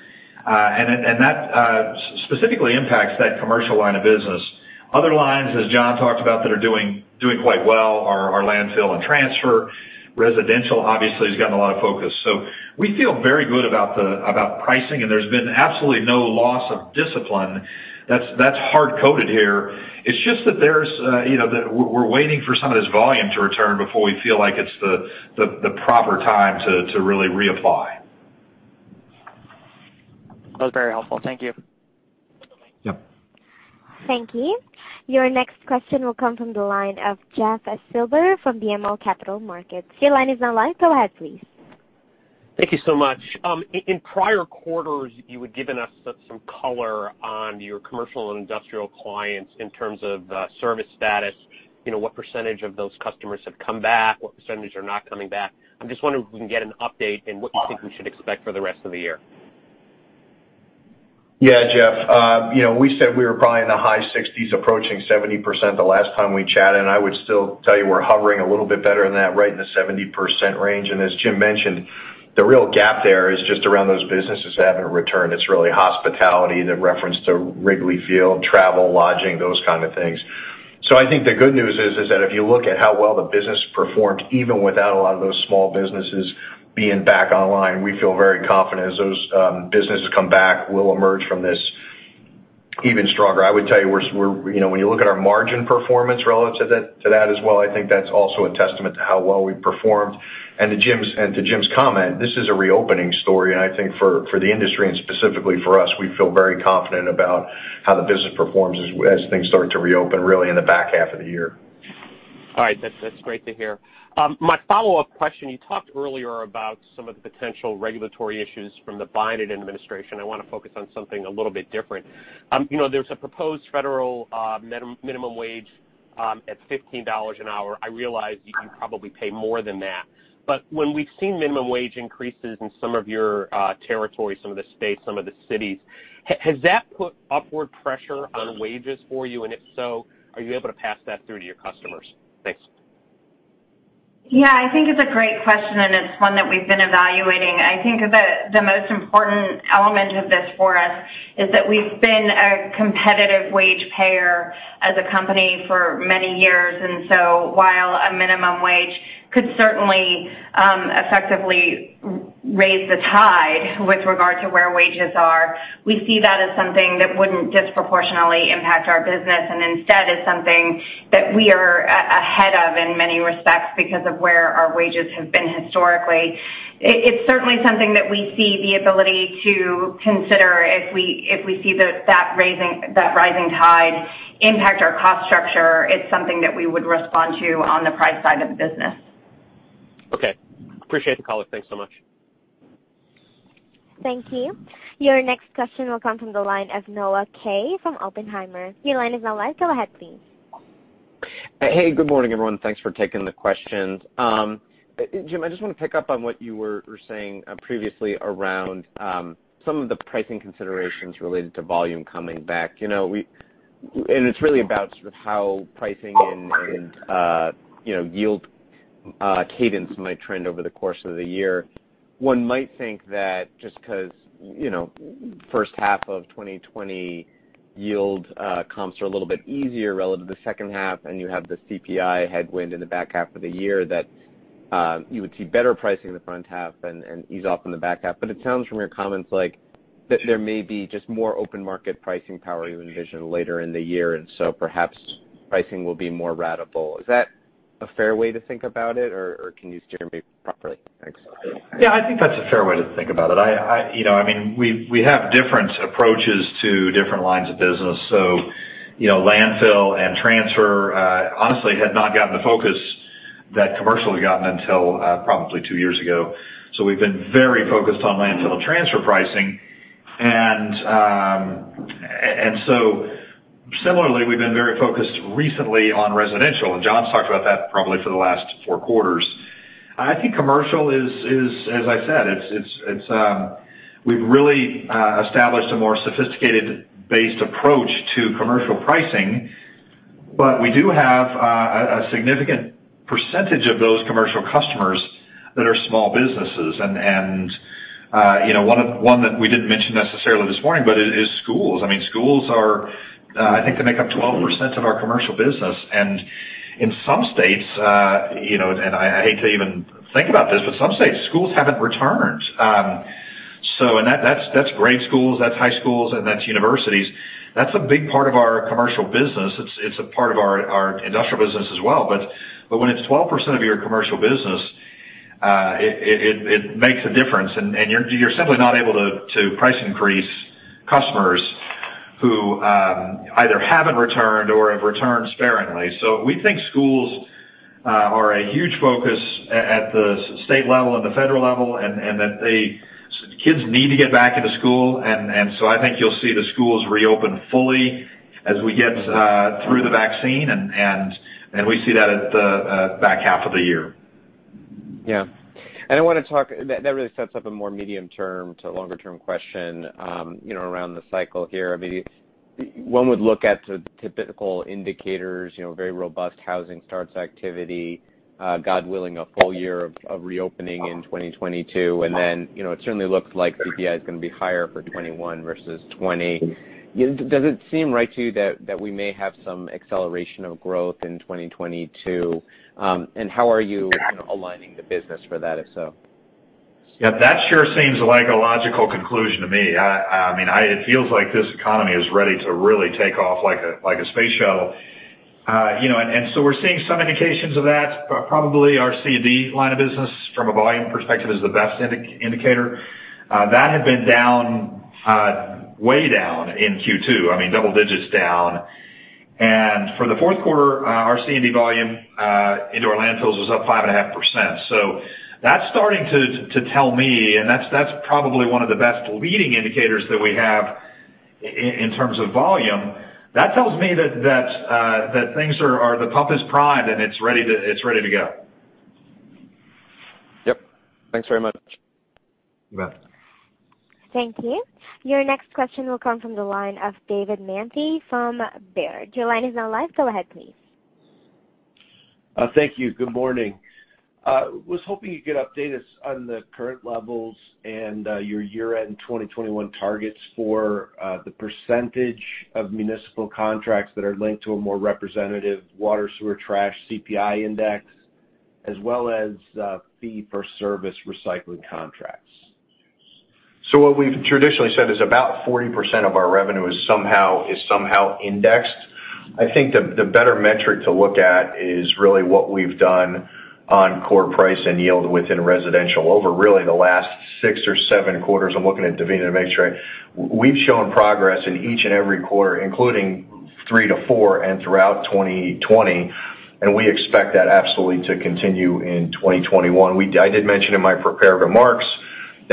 C: and that specifically impacts that commercial line of business. Other lines, as John talked about, that are doing quite well are landfill and transfer. Residential, obviously, has gotten a lot of focus. We feel very good about pricing, and there's been absolutely no loss of discipline. That's hard-coded here. It's just that we're waiting for some of this volume to return before we feel like it's the proper time to really reapply.
J: That was very helpful. Thank you.
C: Yep.
A: Thank you. Your next question will come from the line of Jeff Silber from BMO Capital Markets. Your line is now live. Go ahead, please.
K: Thank you so much. In prior quarters, you had given us some color on your commercial and industrial clients in terms of service status, what percentage of those customers have come back, what percentage are not coming back. I'm just wondering if we can get an update and what you think we should expect for the rest of the year.
D: Yeah, Jeff. We said we were probably in the high 60s, approaching 70% the last time we chatted. I would still tell you we're hovering a little bit better than that, right in the 70% range. As Jim mentioned, the real gap there is just around those businesses that haven't returned. It's really hospitality, the reference to Wrigley Field, travel, lodging, those kind of things. I think the good news is that if you look at how well the business performed, even without a lot of those small businesses being back online, we feel very confident as those businesses come back, we'll emerge from this even stronger. I would tell you, when you look at our margin performance relative to that as well, I think that's also a testament to how well we've performed. To Jim's comment, this is a reopening story, and I think for the industry and specifically for us, we feel very confident about how the business performs as things start to reopen, really, in the back half of the year.
K: All right. That's great to hear. My follow-up question, you talked earlier about some of the potential regulatory issues from the Biden administration. I want to focus on something a little bit different. There's a proposed federal minimum wage at $15 an hour. I realize you can probably pay more than that. When we've seen minimum wage increases in some of your territories, some of the states, some of the cities, has that put upward pressure on wages for you? If so, are you able to pass that through to your customers? Thanks.
E: Yeah, I think it's a great question, and it's one that we've been evaluating. I think the most important element of this for us is that we've been a competitive wage payer as a company for many years. While a minimum wage could certainly effectively raise the tide with regard to where wages are, we see that as something that wouldn't disproportionately impact our business, and instead is something that we are ahead of in many respects because of where our wages have been historically. It's certainly something that we see the ability to consider if we see that rising tide impact our cost structure, it's something that we would respond to on the price side of the business.
K: Okay. Appreciate the call. Thanks so much.
A: Thank you. Your next question will come from the line of Noah Kaye from Oppenheimer. Your line is now live. Go ahead, please.
L: Hey, good morning, everyone. Thanks for taking the questions. Jim, I just want to pick up on what you were saying previously around some of the pricing considerations related to volume coming back. It's really about sort of how pricing and yield cadence might trend over the course of the year. One might think that just because first half of 2020 yield comps are a little bit easier relative to second half, and you have the CPI headwind in the back half of the year, that you would see better pricing in the front half and ease off in the back half. It sounds from your comments like that there may be just more open market pricing power you envision later in the year, and so perhaps pricing will be more ratable. Is that a fair way to think about it, or can you steer me properly? Thanks.
C: Yeah, I think that's a fair way to think about it. We have different approaches to different lines of business. Landfill and transfer, honestly, had not gotten the focus that commercial had gotten until probably two years ago. We've been very focused on landfill and transfer pricing. Similarly, we've been very focused recently on residential, and John's talked about that probably for the last four quarters. I think commercial is, as I said, we've really established a more sophisticated based approach to commercial pricing, but we do have a significant percentage of those commercial customers that are small businesses. One that we didn't mention necessarily this morning, but it is schools. Schools, I think they make up 12% of our commercial business. In some states, and I hate to even think about this, but some states, schools haven't returned. That's grade schools, that's high schools, and that's universities. That's a big part of our commercial business. It's a part of our industrial business as well, but when it's 12% of your commercial business, it makes a difference, and you're simply not able to price increase customers who either haven't returned or have returned sparingly. We think schools are a huge focus at the state level and the federal level, and that kids need to get back into school. I think you'll see the schools reopen fully as we get through the vaccine, and we see that at the back half of the year.
L: Yeah. That really sets up a more medium term to longer term question around the cycle here. One would look at the typical indicators, very robust housing starts activity, God willing, a full year of reopening in 2022. Then, it certainly looks like CPI is going to be higher for 2021 versus 2020. Does it seem right to you that we may have some acceleration of growth in 2022? How are you aligning the business for that, if so?
C: Yeah, that sure seems like a logical conclusion to me. It feels like this economy is ready to really take off like a space shuttle. We're seeing some indications of that. Probably our C&D line of business from a volume perspective is the best indicator. That had been way down in Q2, double digits down. For the fourth quarter, our C&D volume into our landfills was up 5.5%. That's starting to tell me, and that's probably one of the best leading indicators that we have in terms of volume. That tells me that the pump is primed and it's ready to go.
L: Yep. Thanks very much.
C: You bet.
A: Thank you. Your next question will come from the line of David Manthey from Baird. Your line is now live. Go ahead, please.
M: Thank you. Good morning. I was hoping you could update us on the current levels and your year-end 2021 targets for the % of municipal contracts that are linked to a more representative water, sewer, trash, CPI index, as well as fee-for-service recycling contracts.
C: What we've traditionally said is about 40% of our revenue is somehow indexed. I think the better metric to look at is really what we've done on core price and yield within residential over really the last six or seven quarters. I'm looking at Devina to make sure. We've shown progress in each and every quarter, including three to four and throughout 2020, and we expect that absolutely to continue in 2021. I did mention in my prepared remarks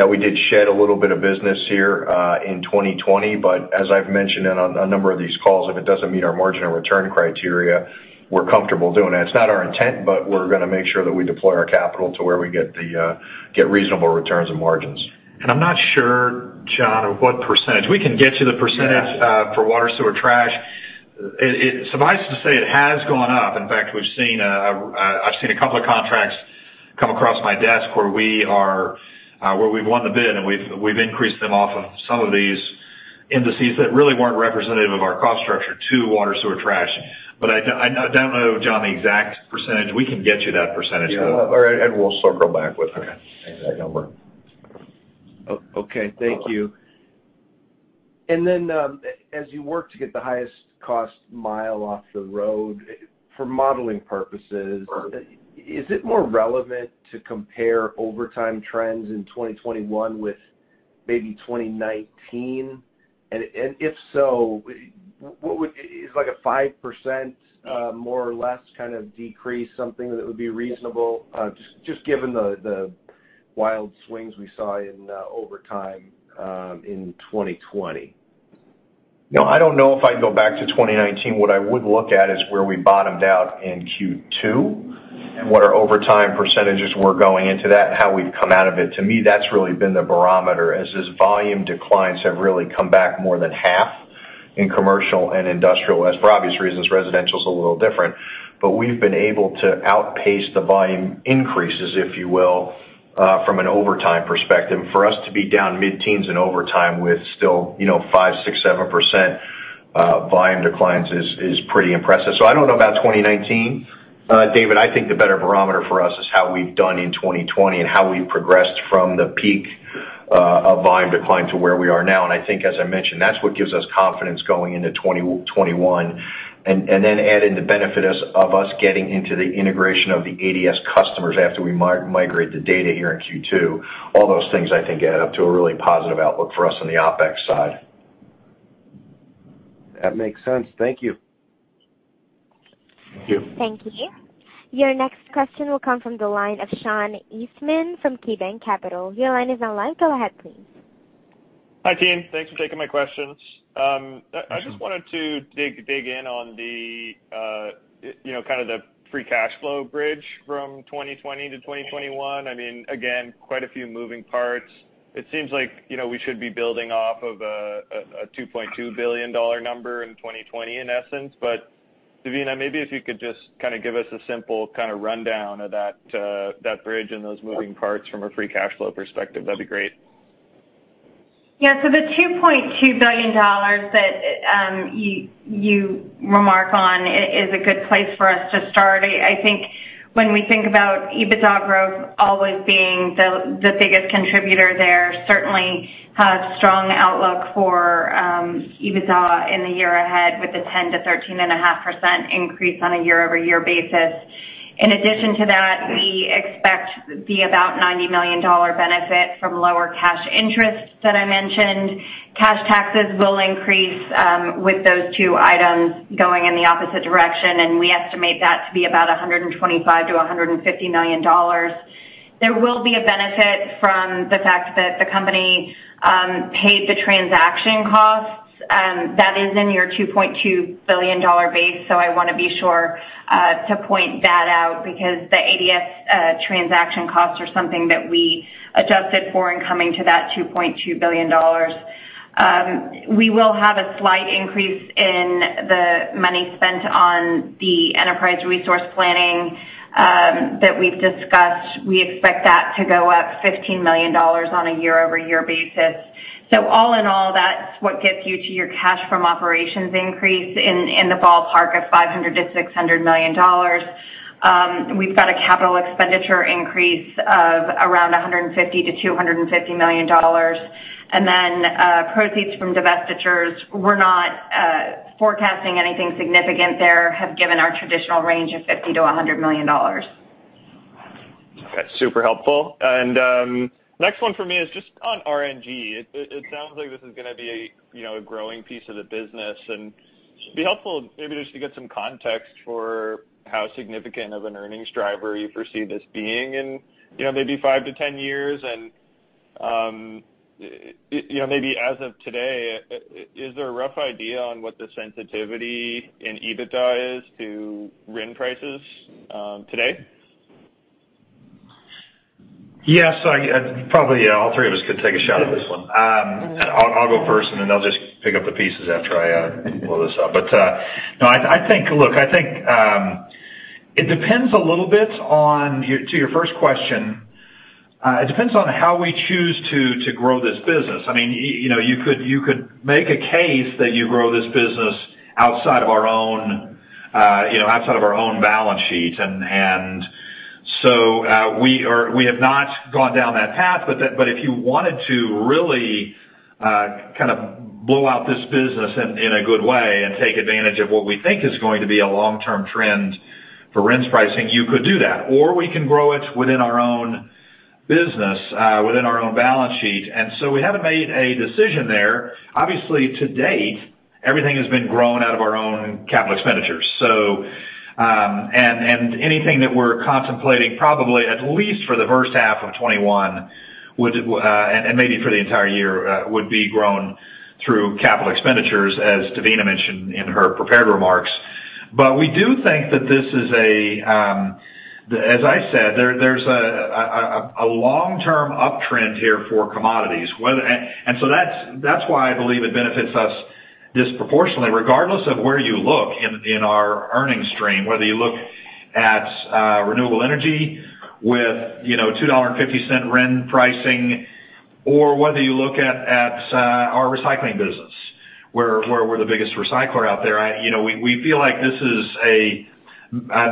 C: We did shed a little bit of business here in 2020, but as I've mentioned on a number of these calls, if it doesn't meet our margin of return criteria, we're comfortable doing it. It's not our intent, we're going to make sure that we deploy our capital to where we get reasonable returns and margins. I'm not sure, John, of what percentage. We can get you the percentage, yeah, for water, sewer, trash. Suffice it to say it has gone up. In fact, I've seen a couple of contracts come across my desk where we've won the bid, and we've increased them off of some of these indices that really weren't representative of our cost structure to water, sewer, trash. I don't know, John, the exact percentage. We can get you that percentage. Yeah. All right, we'll circle back with that exact number.
M: Okay, thank you. As you work to get the highest cost mile off the road, for modeling purposes.
D: Sure
M: Is it more relevant to compare overtime trends in 2021 with maybe 2019? If so, is a 5% more or less kind of decrease something that would be reasonable? Just given the wild swings we saw in overtime in 2020.
D: I don't know if I'd go back to 2019. What I would look at is where we bottomed out in Q2, and what our overtime percentages were going into that, and how we've come out of it. To me, that's really been the barometer as those volume declines have really come back more than half in commercial and industrial. For obvious reasons, residential is a little different. We've been able to outpace the volume increases, if you will, from an overtime perspective. For us to be down mid-teens in overtime with still 5%,6%, 7% volume declines is pretty impressive. I don't know about 2019, David. I think the better barometer for us is how we've done in 2020 and how we've progressed from the peak of volume decline to where we are now, and I think as I mentioned, that's what gives us confidence going into 2021. Then add in the benefit of us getting into the integration of the ADS customers after we migrate the data here in Q2. All those things, I think, add up to a really positive outlook for us on the OpEx side.
M: That makes sense. Thank you.
D: Thank you.
A: Thank you. Your next question will come from the line of Sean Eastman from KeyBanc Capital. Your line is now unblocked. Go ahead, please.
N: Hi, team. Thanks for taking my questions. I just wanted to dig in on the kind of the free cash flow bridge from 2020 to 2021. Quite a few moving parts. It seems like we should be building off of a $2.2 billion number in 2020, in essence, but Devina, maybe if you could just kind of give us a simple rundown of that bridge and those moving parts from a free cash flow perspective, that'd be great.
E: Yeah. The $2.2 billion that you remark on is a good place for us to start. I think when we think about EBITDA growth always being the biggest contributor there, certainly have strong outlook for EBITDA in the year ahead with the 10%-13.5% increase on a year-over-year basis. In addition to that, we expect the about $90 million benefit from lower cash interest that I mentioned. Cash taxes will increase with those two items going in the opposite direction. We estimate that to be about $125 million-$150 million. There will be a benefit from the fact that the company paid the transaction costs. That is in your $2.2 billion base. I want to be sure to point that out because the ADS transaction costs are something that we adjusted for in coming to that $2.2 billion. We will have a slight increase in the money spent on the enterprise resource planning that we've discussed. We expect that to go up $15 million on a year-over-year basis. All in all, that's what gets you to your cash from operations increase in the ballpark of $500 million-$600 million. We've got a capital expenditure increase of around $150 million-$250 million. Proceeds from divestitures, we're not forecasting anything significant there, have given our traditional range of $50 million-$100 million.
N: Okay. Super helpful. Next one for me is just on RNG. It sounds like this is going to be a growing piece of the business, and it'd be helpful maybe just to get some context for how significant of an earnings driver you foresee this being in maybe 5-10 years, and maybe as of today, is there a rough idea on what the sensitivity in EBITDA is to RIN prices today?
C: Yes. Probably all three of us could take a shot at this one. I'll go first, and then they'll just pick up the pieces after I blow this up. No, look, I think it depends a little bit on, to your first question, it depends on how we choose to grow this business. You could make a case that you grow this business outside of our own balance sheet. We have not gone down that path, but if you wanted to really kind of blow out this business in a good way and take advantage of what we think is going to be a long-term trend for RINs pricing, you could do that. Or we can grow it within our own business, within our own balance sheet. We haven't made a decision there. Obviously, to date- Everything has been grown out of our own capital expenditures. Anything that we're contemplating, probably at least for the first half of 2021, and maybe for the entire year, would be grown through capital expenditures, as Devina mentioned in her prepared remarks. We do think that, as I said, there's a long-term uptrend here for commodities. That's why I believe it benefits us disproportionately, regardless of where you look in our earnings stream, whether you look at renewable energy with $2.50 RIN pricing, or whether you look at our recycling business, where we're the biggest recycler out there. We feel like this is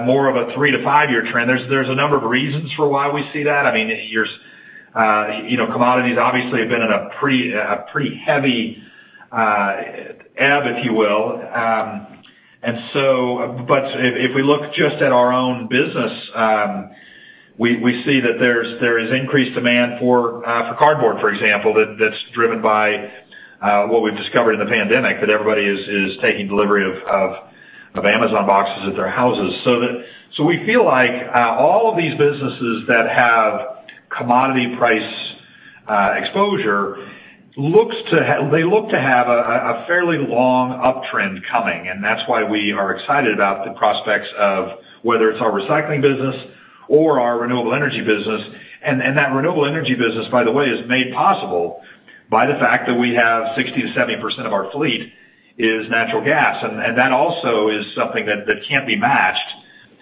C: more of a 3-5-year trend. There's a number of reasons for why we see that. Commodities obviously have been in a pretty heavy ebb, if you will. If we look just at our own business, we see that there is increased demand for cardboard, for example, that's driven by what we've discovered in the pandemic, that everybody is taking delivery of Amazon boxes at their houses. We feel like all of these businesses that have commodity price exposure, they look to have a fairly long uptrend coming, and that's why we are excited about the prospects of whether it's our recycling business or our renewable energy business. That renewable energy business, by the way, is made possible by the fact that we have 60%-70% of our fleet is natural gas, and that also is something that can't be matched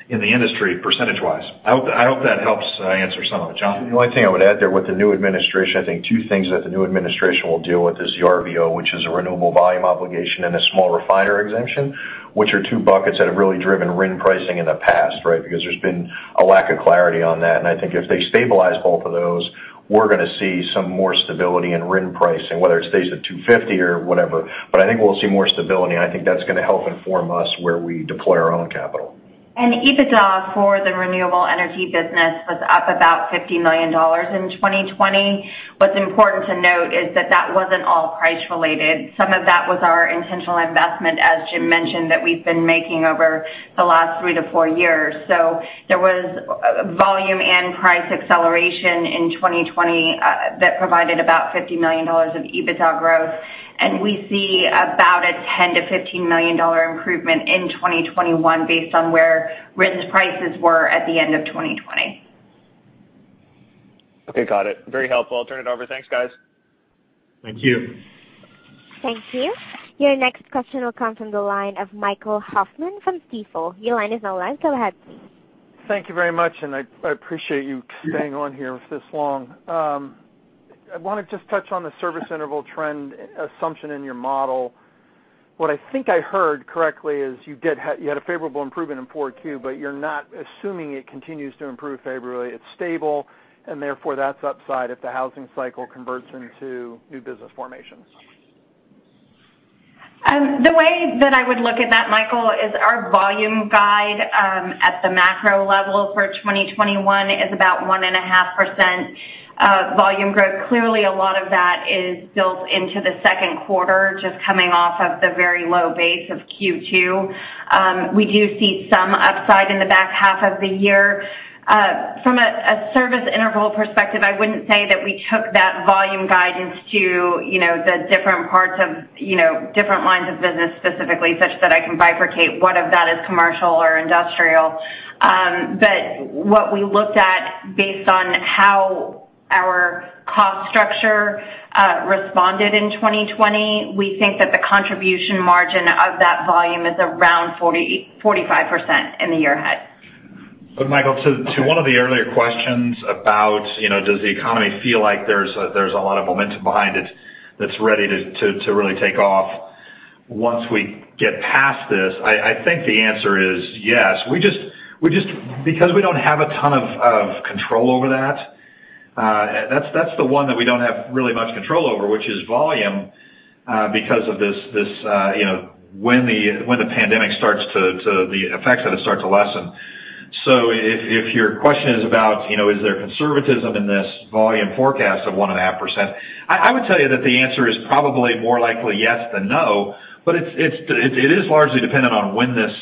C: in the industry percentage-wise. I hope that helps answer some of it. John?
D: The only thing I would add there, I think two things that the new administration will deal with is the RVO, which is a renewable volume obligation, and a small refiner exemption, which are two buckets that have really driven RIN pricing in the past, because there's been a lack of clarity on that. I think if they stabilize both of those, we're going to see some more stability in RIN pricing, whether it stays at $250 or whatever. I think we'll see more stability, and I think that's going to help inform us where we deploy our own capital.
E: EBITDA for the renewable energy business was up about $50 million in 2020. What's important to note is that that wasn't all price related. Some of that was our intentional investment, as Jim mentioned, that we've been making over the last three to four years. There was volume and price acceleration in 2020 that provided about $50 million of EBITDA growth, and we see about a $10 million to $15 million improvement in 2021 based on where RINs prices were at the end of 2020.
N: Okay, got it. Very helpful. I'll turn it over. Thanks, guys.
C: Thank you.
A: Thank you. Your next question will come from the line of Michael Hoffman from Stifel. Your line is now go ahead, please.
O: Thank you very much, and I appreciate you staying on here this long. I want to just touch on the service interval trend assumption in your model. What I think I heard correctly is you had a favorable improvement in Q4, but you're not assuming it continues to improve favorably. It's stable, and therefore, that's upside if the housing cycle converts into new business formations.
E: The way that I would look at that, Michael, is our volume guide at the macro level for 2021 is about 1.5% volume growth. Clearly, a lot of that is built into the second quarter, just coming off of the very low base of Q2. We do see some upside in the back half of the year. From a service interval perspective, I wouldn't say that we took that volume guidance to the different lines of business specifically, such that I can bifurcate what of that is commercial or industrial. What we looked at based on how our cost structure responded in 2020, we think that the contribution margin of that volume is around 45% in the year ahead.
C: Michael, to one of the earlier questions about does the economy feel like there's a lot of momentum behind it that's ready to really take off once we get past this, I think the answer is yes. We don't have a ton of control over that. That's the one that we don't have really much control over, which is volume, because of when the effects of this start to lessen. If your question is about, is there conservatism in this volume forecast of 1.5%? I would tell you that the answer is probably more likely yes than no, but it is largely dependent on when this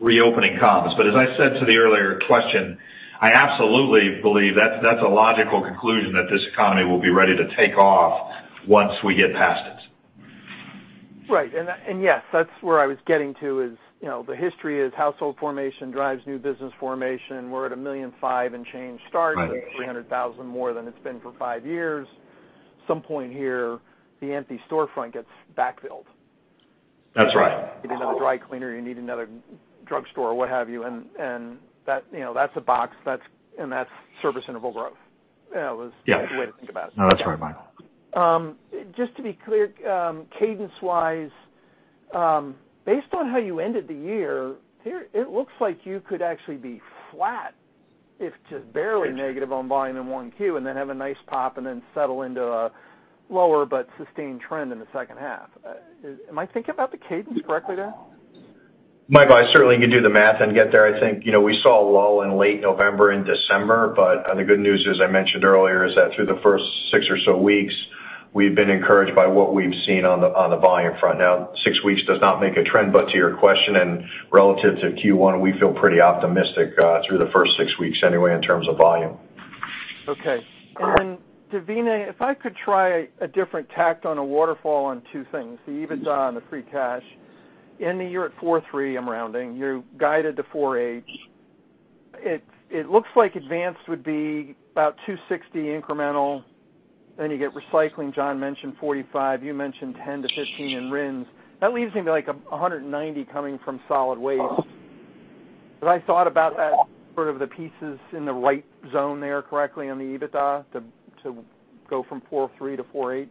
C: reopening comes. As I said to the earlier question, I absolutely believe that's a logical conclusion, that this economy will be ready to take off once we get past it.
O: Right. Yes, that's where I was getting to is, the history is household formation drives new business formation. We're at $1.5 million and change.
C: Right
O: with $300,000 more than it's been for five years. Some point here, the empty storefront gets backfilled.
C: That's right.
O: You need another dry cleaner, you need another drugstore or what have you, and that's a box, and that's service interval growth.
C: Yes
O: The way to think about it.
C: No, that's right, Michael.
O: Just to be clear, cadence-wise, based on how you ended the year, it looks like you could actually be flat if just barely negative on volume in Q1, and then have a nice pop and then settle into a lower but sustained trend in the second half. Am I thinking about the cadence correctly there?
C: Michael, I certainly can do the math and get there. I think, we saw a lull in late November and December. The good news, as I mentioned earlier, is that through the first six or so weeks, we've been encouraged by what we've seen on the volume front. Now, six weeks does not make a trend, but to your question, and relative to Q1, we feel pretty optimistic through the first six weeks anyway, in terms of volume.
O: Okay. Then Devina, if I could try a different tact on a waterfall on two things, the EBITDA and the free cash. In the year at $4.3 billion, I'm rounding, you guided to $4.8 billion. It looks like Advanced would be about $260 million incremental. You get recycling, John mentioned $45 million, you mentioned $10 million-$15 million in RINs. That leaves me to like $190 million coming from solid waste. Have I thought about that, sort of the pieces in the right zone there correctly on the EBITDA to go from $4.3 billion to $4.8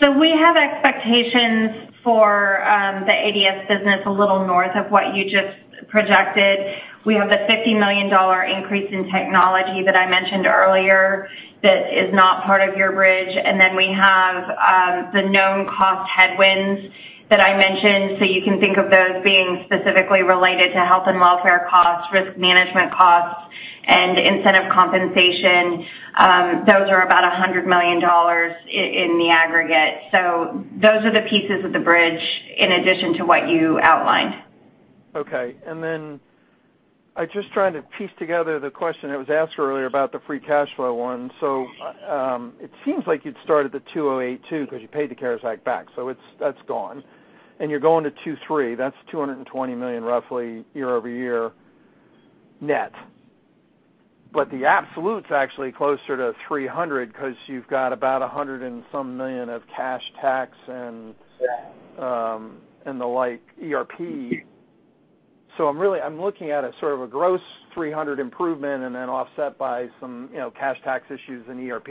O: billion?
E: We have expectations for the ADS business a little north of what you just projected. We have the $50 million increase in technology that I mentioned earlier that is not part of your bridge. We have the known cost headwinds that I mentioned. You can think of those being specifically related to health and welfare costs, risk management costs, and incentive compensation. Those are about $100 million in the aggregate. Those are the pieces of the bridge in addition to what you outlined.
O: Okay. I just tried to piece together the question that was asked earlier about the free cash flow one. It seems like you'd start at the $208 billion because you paid the CARES Act back. That's gone. You're going to $203 billion, that's $220 million roughly year-over-year net. The absolute's actually closer to $300 million, because you've got about $100 and some million of cash tax and.
E: Yeah
O: The like, ERP. I'm looking at a sort of a gross $300 improvement and then offset by some cash tax issues and ERP,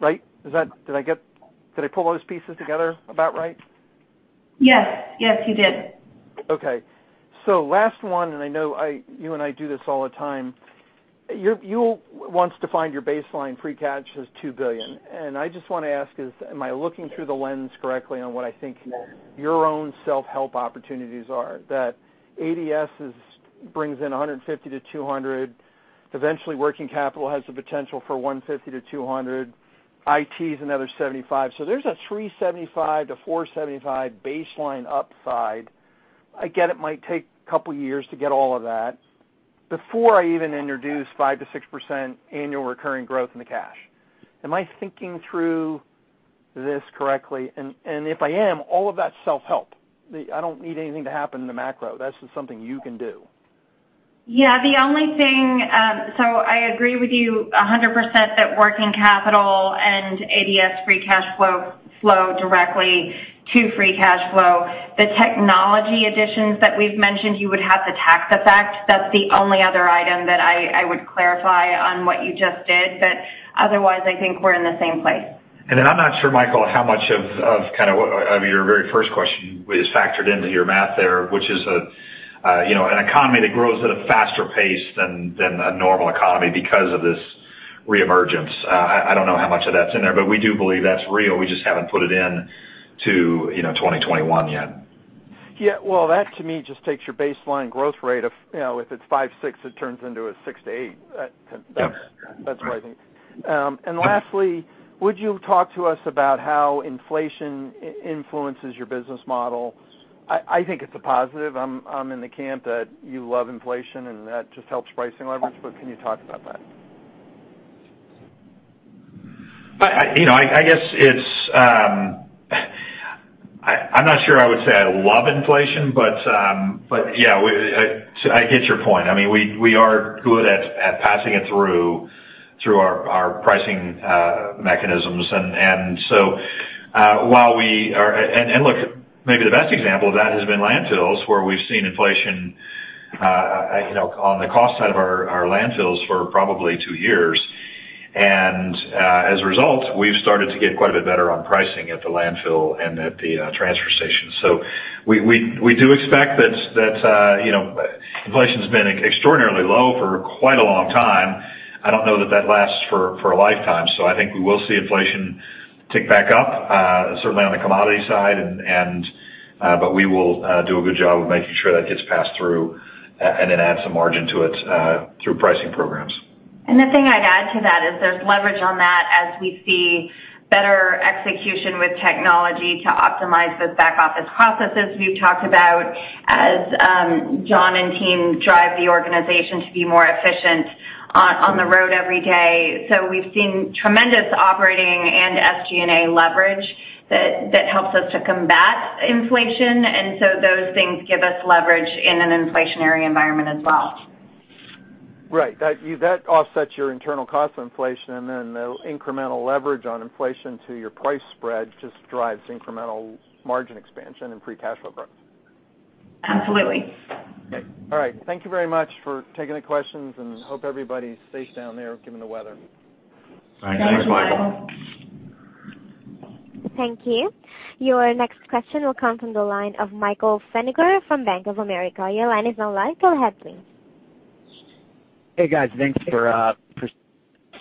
O: right? Did I pull those pieces together about right?
E: Yes. You did.
O: Last one, and I know you and I do this all the time. You once defined your baseline free cash as $2 billion. I just want to ask, am I looking through the lens correctly on what I think your own self-help opportunities are? That ADS brings in $150 million-$200 million. Eventually, working capital has the potential for $150 million-$200 million. IT is another $75 million. There's a $375 million-$475 million baseline upside. I get it might take a couple of years to get all of that before I even introduce 5%-6% annual recurring growth in the cash. Am I thinking through this correctly? If I am, all of that's self-help. I don't need anything to happen in the macro. That's just something you can do.
E: Yeah, the only thing, I agree with you 100% that working capital and ADS free cash flow directly to free cash flow. The technology additions that we've mentioned, you would have the tax effect. That's the only other item that I would clarify on what you just did. Otherwise, I think we're in the same place.
C: I'm not sure, Michael, how much of your very first question is factored into your math there, which is an economy that grows at a faster pace than a normal economy because of this reemergence. I don't know how much of that's in there, we do believe that's real. We just haven't put it into 2021 yet.
O: Well, that to me just takes your baseline growth rate of, if it's 5%-6%, it turns into a 6%-8%.
C: Yeah.
O: That's what I think. Lastly, would you talk to us about how inflation influences your business model? I think it's a positive. I'm in the camp that you love inflation, and that just helps pricing leverage, but can you talk about that?
C: I'm not sure I would say I love inflation, but yeah, I get your point. We are good at passing it through our pricing mechanisms. Look, maybe the best example of that has been landfills, where we've seen inflation on the cost side of our landfills for probably two years. As a result, we've started to get quite a bit better on pricing at the landfill and at the transfer station. We do expect that, inflation's been extraordinarily low for quite a long time. I don't know that that lasts for a lifetime. I think we will see inflation tick back up, certainly on the commodity side, but we will do a good job of making sure that gets passed through and then add some margin to it through pricing programs.
E: The thing I'd add to that is there's leverage on that as we see better execution with technology to optimize those back office processes we've talked about as John and team drive the organization to be more efficient on the road every day. We've seen tremendous operating and SG&A leverage that helps us to combat inflation. Those things give us leverage in an inflationary environment as well.
O: Right. That offsets your internal cost inflation and then the incremental leverage on inflation to your price spread just drives incremental margin expansion and free cash flow growth.
E: Absolutely.
O: Okay. All right. Thank you very much for taking the questions, and hope everybody's safe down there given the weather.
C: All right. Thanks, Michael.
E: Thank you, Michael.
A: Thank you. Your next question will come from the line of Michael Feniger from Bank of America. Your line is now live. Go ahead, please.
P: Hey, guys. Thanks for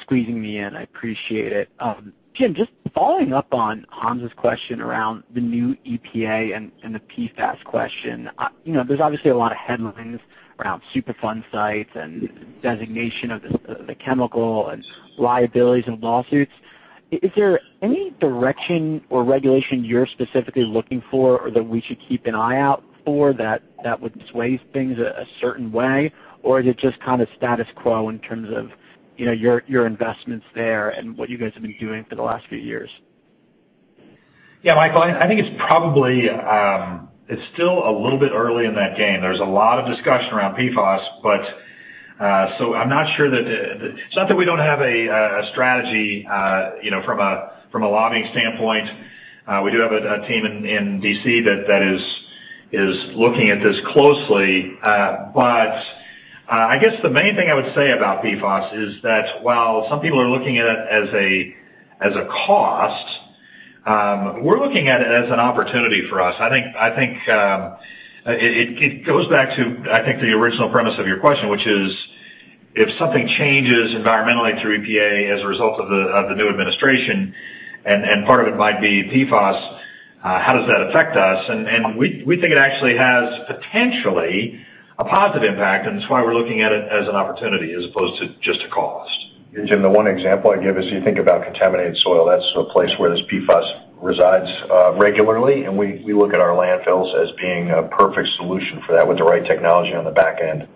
P: squeezing me in. I appreciate it. Jim, just following up on Hamzah's question around the new EPA and the PFAS question. There's obviously a lot of headlines around Superfund sites and designation of the chemical and liabilities and lawsuits. Is there any direction or regulation you're specifically looking for, or that we should keep an eye out for that would sway things a certain way? Is it just kind of status quo in terms of your investments there and what you guys have been doing for the last few years?
C: Yeah, Michael, I think it's still a little bit early in that game. There's a lot of discussion around PFAS. It's not that we don't have a strategy from a lobbying standpoint. We do have a team in D.C. that is looking at this closely. I guess the main thing I would say about PFAS is that while some people are looking at it as a cost, we're looking at it as an opportunity for us. I think it goes back to the original premise of your question, which is, if something changes environmentally through EPA as a result of the new administration, and part of it might be PFAS, how does that affect us? We think it actually has potentially a positive impact, and that's why we're looking at it as an opportunity as opposed to just a cost.
D: Jim, the one example I'd give is you think about contaminated soil. That's a place where this PFAS resides regularly, and we look at our landfills as being a perfect solution for that with the right technology on the back end.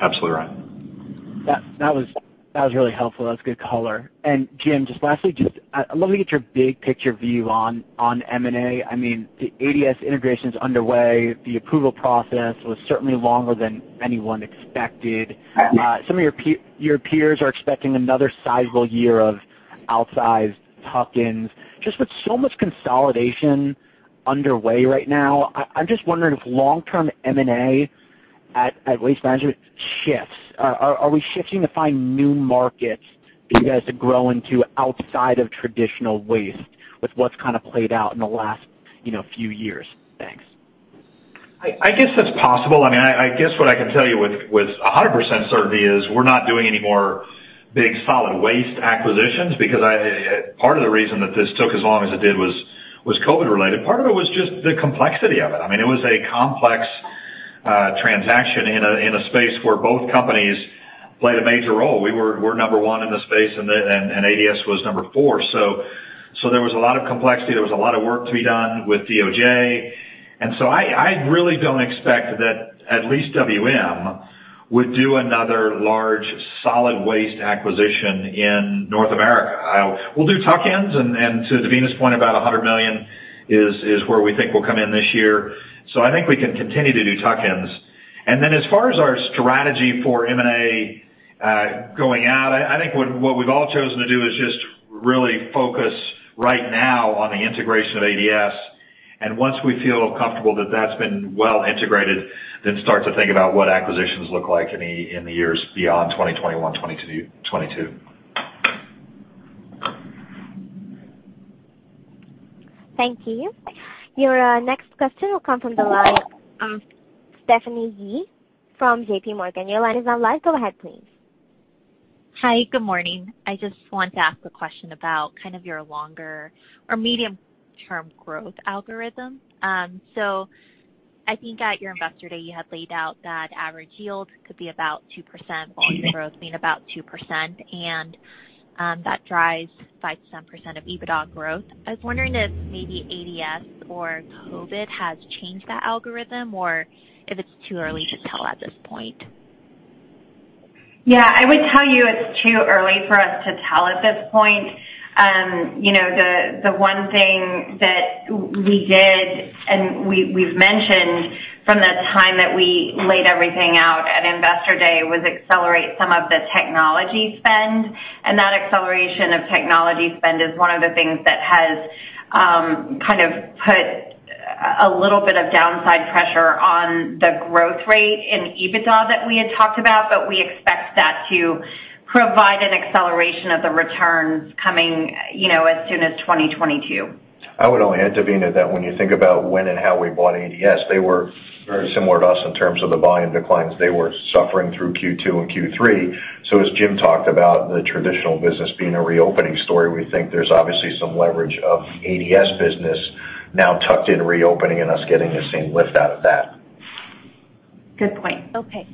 C: Absolutely right.
P: That was really helpful. That's good color. Jim, just lastly, I'd love to get your big picture view on M&A. The ADS integration's underway. The approval process was certainly longer than anyone expected.
C: Yeah.
P: Some of your peers are expecting another sizable year of outsized tuck-ins. With so much consolidation underway right now, I'm just wondering if long-term M&A at Waste Management shifts. Are we shifting to find new markets for you guys to grow into outside of traditional waste with what's kind of played out in the last few years? Thanks.
C: I guess that's possible. I guess what I can tell you with 100% certainty is we're not doing any more big solid waste acquisitions, because part of the reason that this took as long as it did was COVID related. Part of it was just the complexity of it. It was a complex transaction in a space where both companies played a major role. We're number 1 in the space, and ADS was number four. There was a lot of complexity. There was a lot of work to be done with DOJ. I really don't expect that at least WM would do another large solid waste acquisition in North America. We'll do tuck-ins, and to Devina's point about $100 million, is where we think we'll come in this year. I think we can continue to do tuck-ins. As far as our strategy for M&A going out, I think what we've all chosen to do is just really focus right now on the integration of ADS. Once we feel comfortable that's been well integrated, then start to think about what acquisitions look like in the years beyond 2021, 2022.
A: Thank you. Your next question will come from the line of Stephanie Yee from JPMorgan. Your line is now live. Go ahead, please.
Q: Hi. Good morning. I just wanted to ask a question about kind of your longer or medium-term growth algorithm. I think at your Investor Day, you had laid out that average yield could be about 2%, volume growth being about 2%, and that drives 5% of EBITDA growth. I was wondering if maybe ADS or COVID has changed that algorithm, or if it's too early to tell at this point.
E: Yeah. I would tell you it's too early for us to tell at this point. The one thing that we did, and we've mentioned from the time that we laid everything out at Investor Day, was accelerate some of the technology spend. That acceleration of technology spend is one of the things that has kind of put a little bit of downside pressure on the growth rate in EBITDA that we had talked about. We expect that to provide an acceleration of the returns coming as soon as 2022.
D: I would only add, Devina, that when you think about when and how we bought ADS, they were very similar to us in terms of the volume declines. They were suffering through Q2 and Q3. As Jim talked about the traditional business being a reopening story, we think there's obviously some leverage of ADS business now tucked in reopening and us getting the same lift out of that.
E: Good point.
Q: Okay.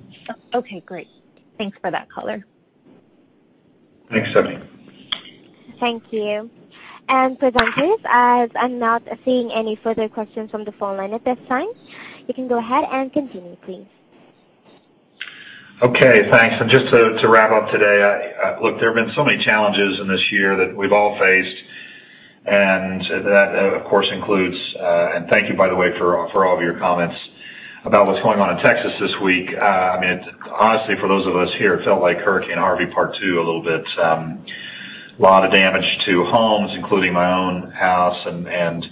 Q: Great. Thanks for that color.
D: Thanks, Stephanie.
A: Thank you. Presenters, as I'm not seeing any further questions from the phone line at this time, you can go ahead and continue, please.
C: Okay, thanks. Just to wrap up today. Look, there have been so many challenges in this year that we've all faced, and that, of course, includes, and thank you, by the way, for all of your comments about what's going on in Texas this week. Honestly, for those of us here, it felt like Hurricane Harvey part 2 a little bit. A lot of damage to homes, including my own house, and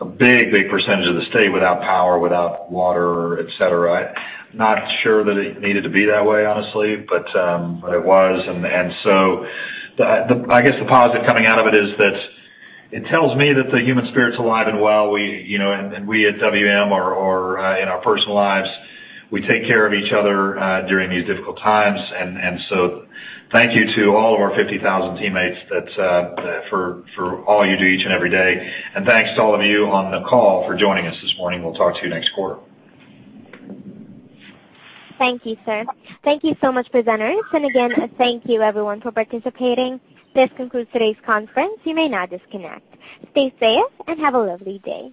C: a big percentage of the state without power, without water, et cetera. Not sure that it needed to be that way, honestly, but it was. I guess the positive coming out of it is that it tells me that the human spirit's alive and well, and we at WM or in our personal lives, we take care of each other during these difficult times. Thank you to all of our 50,000 teammates for all you do each and every day. Thanks to all of you on the call for joining us this morning. We will talk to you next quarter.
A: Thank you, sir. Thank you so much, presenters. Again, thank you everyone for participating. This concludes today's conference. You may now disconnect. Stay safe and have a lovely day.